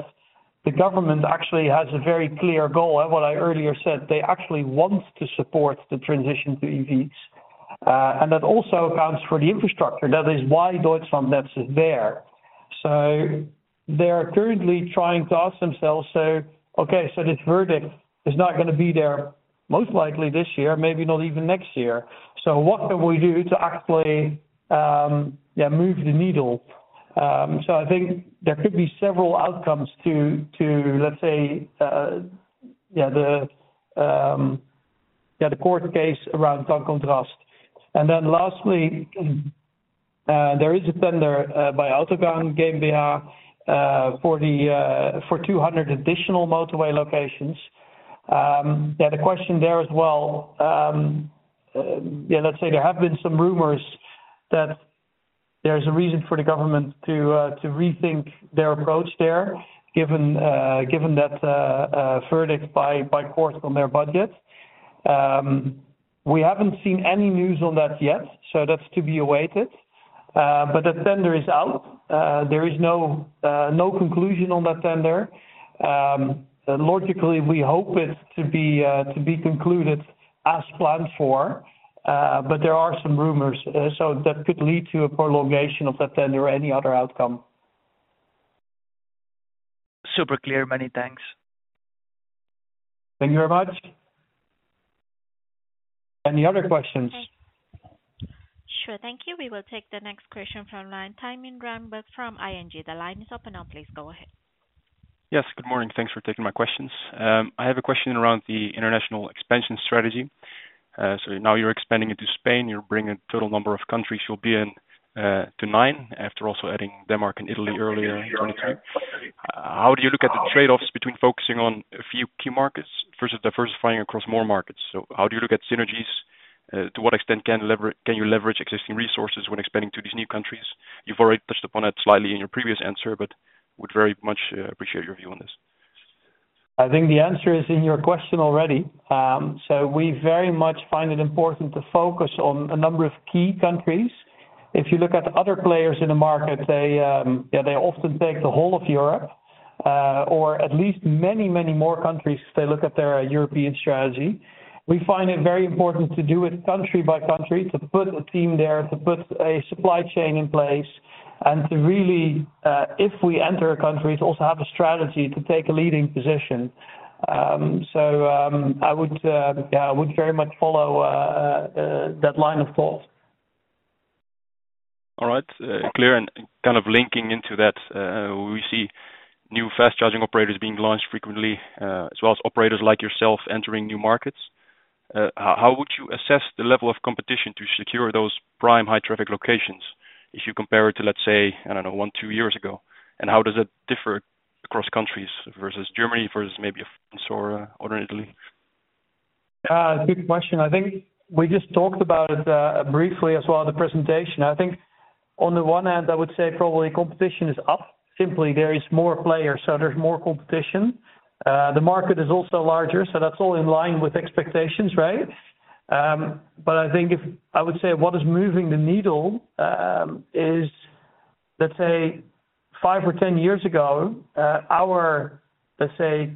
the government actually has a very clear goal, and what I earlier said, they actually want to support the transition to EVs. And that also accounts for the infrastructure. That is why Deutschlandnetz is there. So they're currently trying to ask themselves, so, okay, so this verdict is not gonna be there, most likely this year, maybe not even next year. So what can we do to actually, yeah, move the needle? So I think there could be several outcomes to, to, let's say, yeah, the, yeah, the court case around Tank & Rast. And then lastly, there is a tender, by Autobahn GmbH, for the, for 200 additional motorway locations. Yeah, the question there as well, yeah, let's say there have been some rumors that there's a reason for the government to rethink their approach there, given that verdict by court on their budget. We haven't seen any news on that yet, so that's to be awaited. But the tender is out. There is no conclusion on that tender. Logically, we hope it to be concluded as planned for, but there are some rumors, so that could lead to a prolongation of that tender or any other outcome. Super clear. Many thanks. Thank you very much. Any other questions? Sure. Thank you. We will take the next question from the line. Thymen Rundberg from ING. The line is open now. Please go ahead. Yes, good morning. Thanks for taking my questions. I have a question around the international expansion strategy. So now you're expanding into Spain, you're bringing total number of countries you'll be in to nine, after also adding Denmark and Italy earlier in 2023. How do you look at the trade-offs between focusing on a few key markets versus diversifying across more markets? So how do you look at synergies? To what extent can you leverage existing resources when expanding to these new countries? You've already touched upon it slightly in your previous answer, but would very much appreciate your view on this. I think the answer is in your question already. So we very much find it important to focus on a number of key countries. If you look at other players in the market, they, they often take the whole of Europe, or at least many, many more countries, they look at their European strategy. We find it very important to do it country by country, to put a team there, to put a supply chain in place, and to really, if we enter countries, also have a strategy to take a leading position. I would, I would very much follow, that line of thought. All right, clear, and kind of linking into that, we see new fast charging operators being launched frequently, as well as operators like yourself entering new markets. How would you assess the level of competition to secure those prime high-traffic locations if you compare it to, let's say, I don't know, one, two years ago? And how does it differ across countries versus Germany, versus maybe France or Italy? Good question. I think we just talked about it briefly, as well in the presentation. I think on the one hand, I would say probably competition is up. Simply, there is more players, so there's more competition. The market is also larger, so that's all in line with expectations, right? But I think I would say what is moving the needle is, let's say, five or 10 years ago, our, let's say,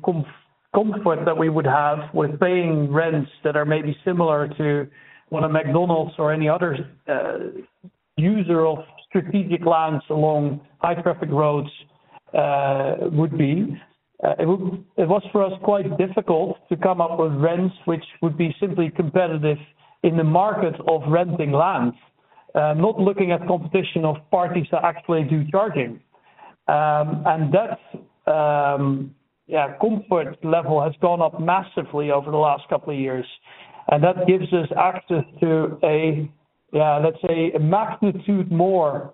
comfort that we would have with paying rents that are maybe similar to what a McDonald's or any other user of strategic lands along high-traffic roads would be, it was, for us, quite difficult to come up with rents, which would be simply competitive in the market of renting land. Not looking at competition of parties that actually do charging. And that's, yeah, comfort level has gone up massively over the last couple of years, and that gives us access to a, let's say, a magnitude more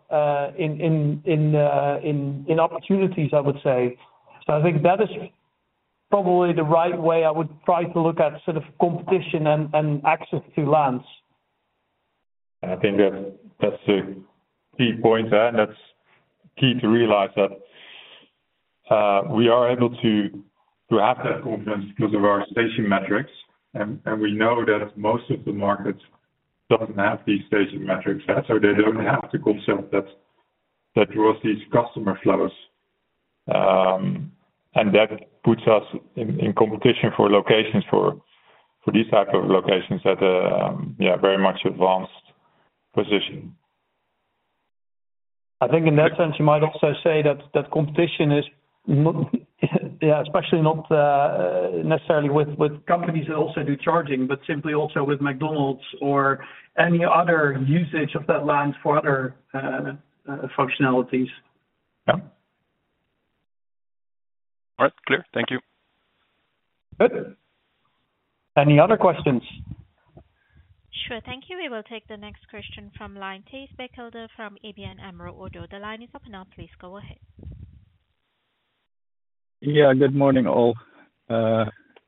in opportunities, I would say. So I think that is probably the right way I would try to look at sort of competition and access to lands. I think that's a key point, and that's key to realize that we are able to have that confidence because of our station metrics. And we know that most of the markets doesn't have these station metrics, so they don't have the concept that draws these customer flows. And that puts us in competition for locations for these type of locations that very much advanced position. I think in that sense, you might also say that that competition is not, yeah, especially not necessarily with companies that also do charging, but simply also with McDonald's or any other usage of that land for other functionalities. Yeah. All right, clear. Thank you. Good. Any other questions? Sure. Thank you. We will take the next question from line, Thijs Berkelder from ABN AMRO – ODDO. The line is open now, please go ahead. Yeah, good morning, all.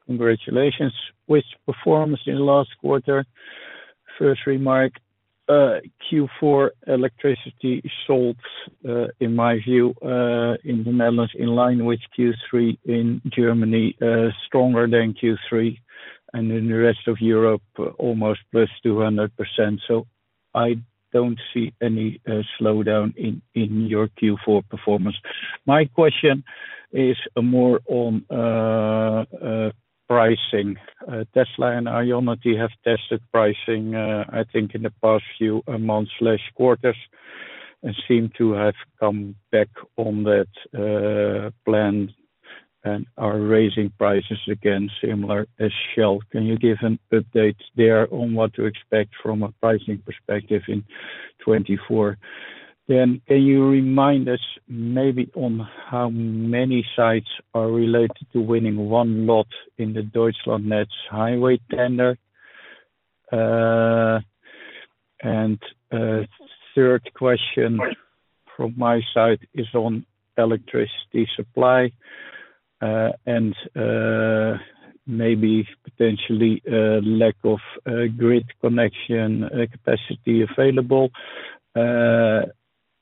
Congratulations, which performs in the last quarter. First remark, Q4 electricity sold, in my view, in the Netherlands, in line with Q3, in Germany, stronger than Q3, and in the rest of Europe, almost +200%. So I don't see any slowdown in your Q4 performance. My question is more on pricing. Tesla and IONITY have tested pricing, I think in the past few months or quarters, and seem to have come back on that plan and are raising prices again, similar as Shell. Can you give an update there on what to expect from a pricing perspective in 2024? Then can you remind us maybe on how many sites are related to winning one lot in the Deutschlandnetz highway tender? Third question from my side is on electricity supply, and maybe potentially, a lack of grid connection capacity available.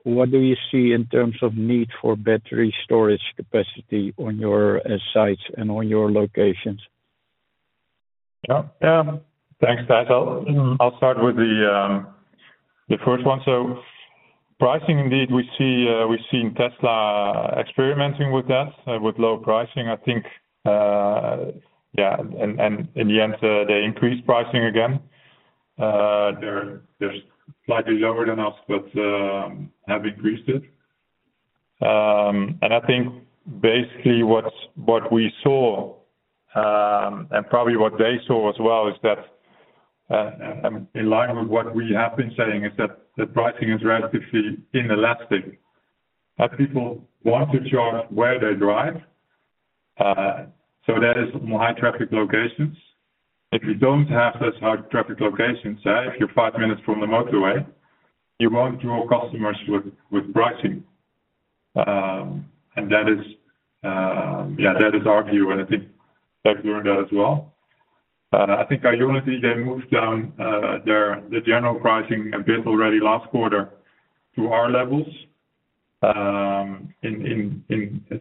What do you see in terms of need for battery storage capacity on your sites and on your locations? Yeah, yeah. Thanks, Thijs. I'll start with the first one. So pricing, indeed, we see, we've seen Tesla experimenting with that, with low pricing. I think, yeah, and, and in the end, they increased pricing again. They're slightly lower than us, but have increased it. And I think basically what we saw, and probably what they saw as well, is that, in line with what we have been saying, is that the pricing is relatively inelastic. But people want to charge where they drive, so that is more high traffic locations. If you don't have those high traffic locations, if you're five minutes from the motorway, you won't draw customers with pricing. And that is, yeah, that is our view, and I think they've learned that as well. I think IONITY, they moved down their general pricing a bit already last quarter to our levels in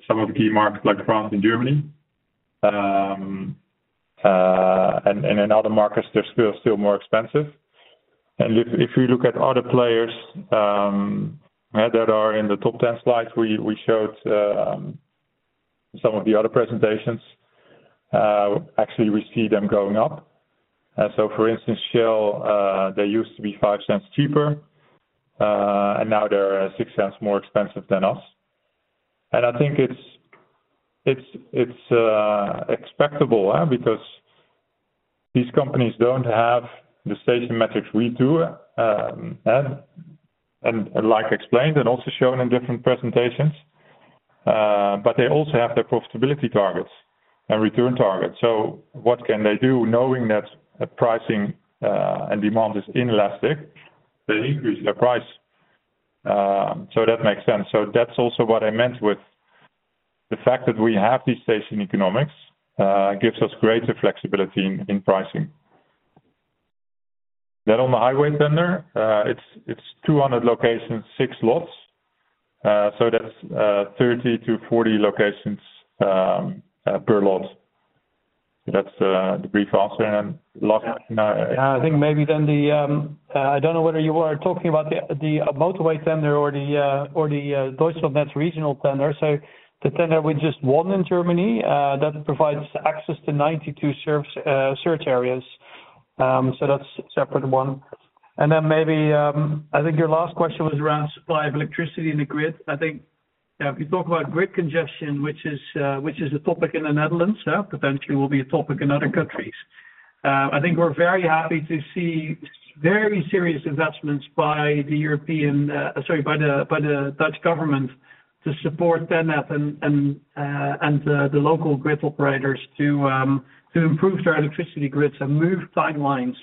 some of the key markets like France and Germany. And in other markets, they're still more expensive. And if you look at other players that are in the top 10 slides we showed some of the other presentations, actually, we see them going up. So, for instance, Shell, they used to be 0.05 cheaper, and now they're 0.06 more expensive than us. And I think it's expectable, because these companies don't have the station metrics we do, and like explained, and also shown in different presentations, but they also have their profitability targets and return targets. So what can they do, knowing that pricing and demand is inelastic? They increase their price. So that makes sense. So that's also what I meant with the fact that we have these station economics gives us greater flexibility in pricing. Then on the highway tender, it's 200 locations, six lots. So that's 30-40 locations per lot. So that's the brief answer. And last- Yeah, I think maybe then the I don't know whether you are talking about the motorway tender or the Deutschlandnetz regional tender. So the tender we just won in Germany that provides access to 92 search areas. So that's a separate one. And then maybe I think your last question was around supply of electricity in the grid. I think... Yeah, if you talk about grid congestion, which is a topic in the Netherlands, yeah, potentially will be a topic in other countries. I think we're very happy to see very serious investments by the Dutch government to support TenneT and the local grid operators to improve their electricity grids and move timelines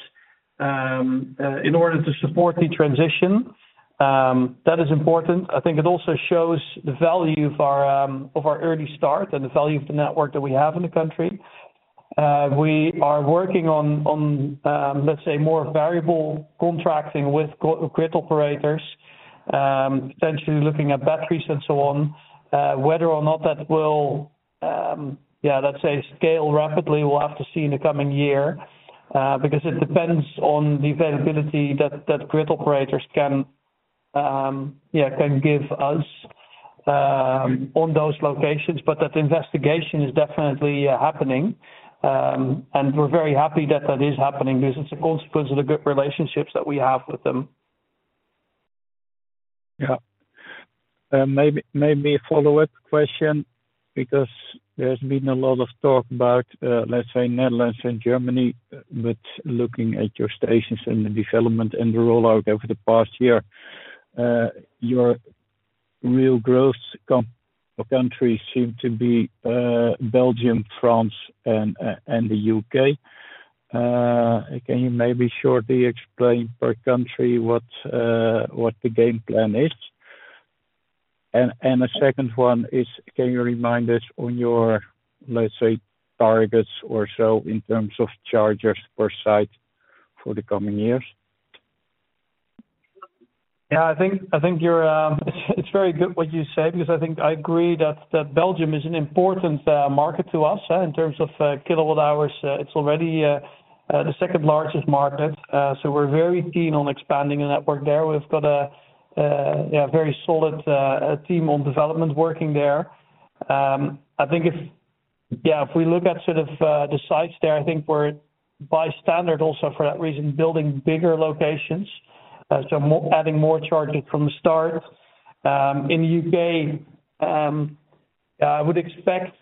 in order to support the transition. That is important. I think it also shows the value of our early start and the value of the network that we have in the country. We are working on, let's say, more variable contracting with grid operators, potentially looking at batteries and so on. Whether or not that will, let's say, scale rapidly, we'll have to see in the coming year, because it depends on the availability that grid operators can give us on those locations. That investigation is definitely happening, and we're very happy that that is happening because it's a consequence of the good relationships that we have with them. Yeah. Maybe, maybe a follow-up question, because there's been a lot of talk about, let's say, Netherlands and Germany, but looking at your stations and the development and the rollout over the past year, your real growth countries seem to be, Belgium, France, and, and the U.K. Can you maybe shortly explain per country what, what the game plan is? And, and a second one is, can you remind us on your, let's say, targets or so in terms of chargers per site for the coming years? Yeah, I think, I think you're, it's very good what you said, because I think I agree that Belgium is an important market to us in terms of kilowatt hours. It's already the second-largest market, so we're very keen on expanding the network there. We've got a, yeah, a very solid team on development working there. I think if, yeah, if we look at sort of the sites there, I think we're, by standard also for that reason, building bigger locations, so adding more chargers from the start. In the U.K., I would expect,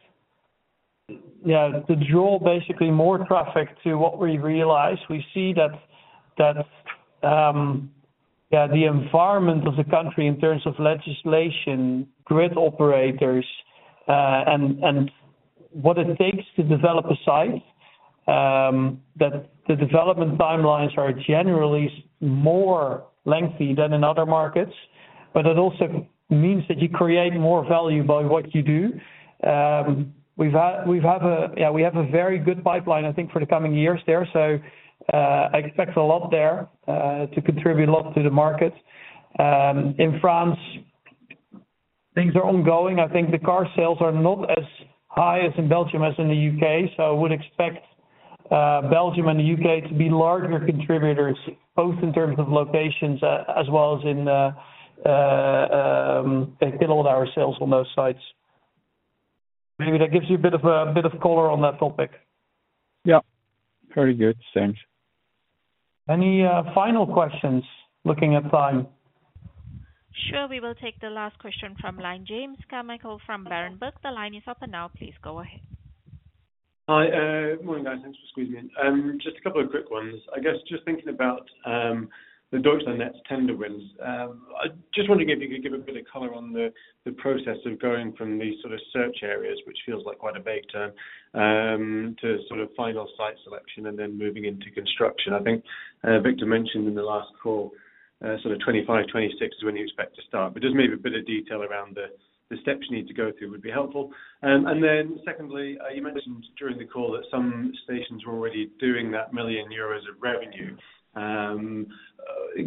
yeah, to draw basically more traffic to what we realize. We see that the environment of the country in terms of legislation, grid operators, and what it takes to develop a site, that the development timelines are generally more lengthy than in other markets, but it also means that you create more value by what you do. We have a very good pipeline, I think, for the coming years there, so I expect a lot there to contribute a lot to the market. In France, things are ongoing. I think the car sales are not as high as in Belgium as in the U.K., so I would expect Belgium and the U.K. to be larger contributors, both in terms of locations, as well as in the kilowatt hour sales on those sites. Maybe that gives you a bit of color on that topic. Yeah. Very good. Thanks. Any final questions, looking at time? Sure, we will take the last question from line. James Carmichael from Berenberg. The line is open now. Please go ahead. Hi, morning, guys. Thanks for squeezing me in. Just a couple of quick ones. I guess, just thinking about the Deutschlandnetz tender wins. I just wonder if you could give a bit of color on the process of going from these sort of search areas, which feels like quite a vague term, to sort of final site selection and then moving into construction. I think Victor mentioned in the last call, sort of 2025, 2026 is when you expect to start. But just maybe a bit of detail around the steps you need to go through would be helpful. And then secondly, you mentioned during the call that some stations were already doing 1 million euros of revenue.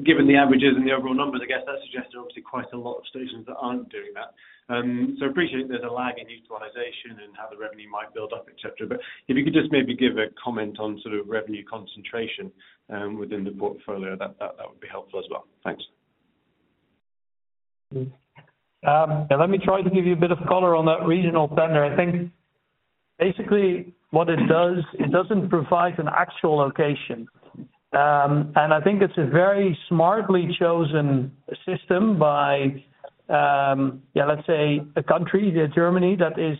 Given the averages and the overall numbers, I guess that suggests obviously quite a lot of stations that aren't doing that. So appreciate there's a lag in utilization and how the revenue might build up, et cetera, but if you could just maybe give a comment on sort of revenue concentration within the portfolio, that would be helpful as well. Thanks. Yeah, let me try to give you a bit of color on that regional tender. I think basically what it does, it doesn't provide an actual location. I think it's a very smartly chosen system by, yeah, let's say, a country, Germany, that is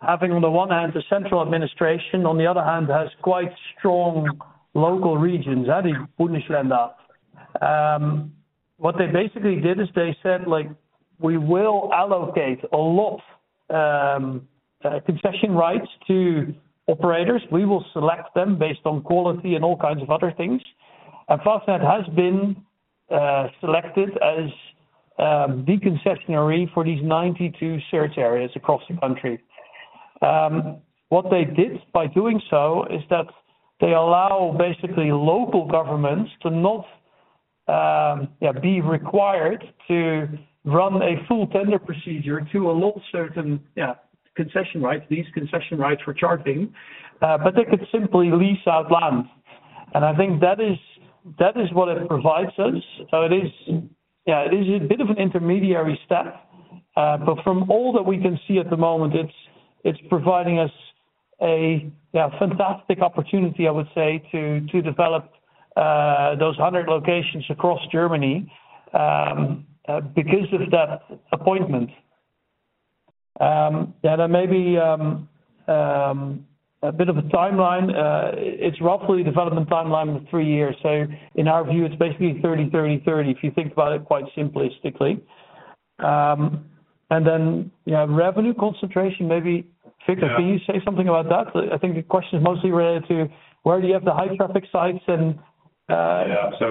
having, on the one hand, a central administration, on the other hand, has quite strong local regions, the Bundesländer. What they basically did is they said, like, "We will allocate a lot, concession rights to operators. We will select them based on quality and all kinds of other things." Fastned has been selected as the concessionaire for these 92 search areas across the country. What they did by doing so is that they allow basically local governments to not be required to run a full tender procedure to allot certain concession rights, these concession rights for charging, but they could simply lease out land. And I think that is, that is what it provides us. So it is a bit of an intermediary step, but from all that we can see at the moment, it's providing us a fantastic opportunity, I would say, to develop those 100 locations across Germany because of that appointment. There may be a bit of a timeline. It's roughly development timeline of three years. So in our view, it's basically 30, 30, 30, if you think about it quite simplistically. And then revenue concentration, maybe Victor- Yeah. -can you say something about that? I think the question is mostly related to where do you have the high traffic sites, and, Yeah. So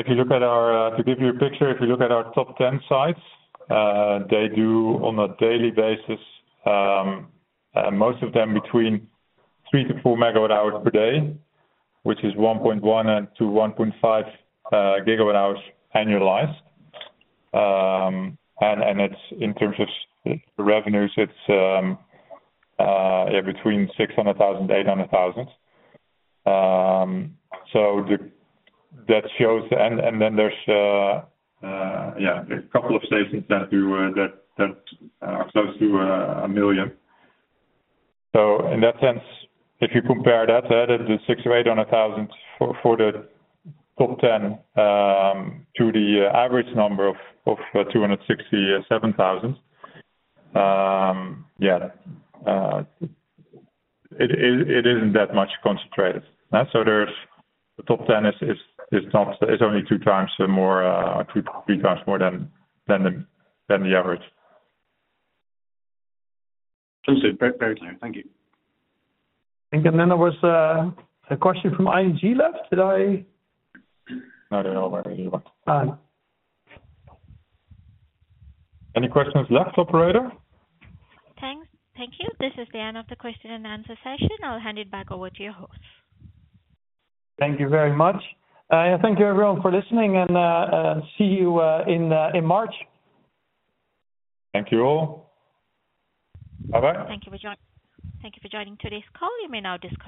if you look at our, to give you a picture, if you look at our top 10 sites, they do on a daily basis, most of them between 3-4 MWh per day, which is 1.1-1.5 GWh annualized. And, and it's in terms of the revenues, it's, yeah, between 600,000-800,000. So the, that shows... And, and then there's, yeah, a couple of stations that do, that, that are close to, a 1 million. So in that sense, if you compare that to the 600,000-800,000 for, for the top 10, to the, average number of, of, 267,000, yeah, it, it, it isn't that much concentrated. So, there's the top ten is not only 2x more, 2x-3x more than the average. Understood. Very clear. Thank you. And then there was a question from ING left. Did I? No, they're already left. Uh. Any questions left, operator? Thanks. Thank you. This is the end of the question-and-answer session. I'll hand it back over to your host. Thank you very much. Thank you, everyone, for listening, and see you in March. Thank you all. Bye-bye. Thank you for joining. Thank you for joining today's call. You may now disconnect.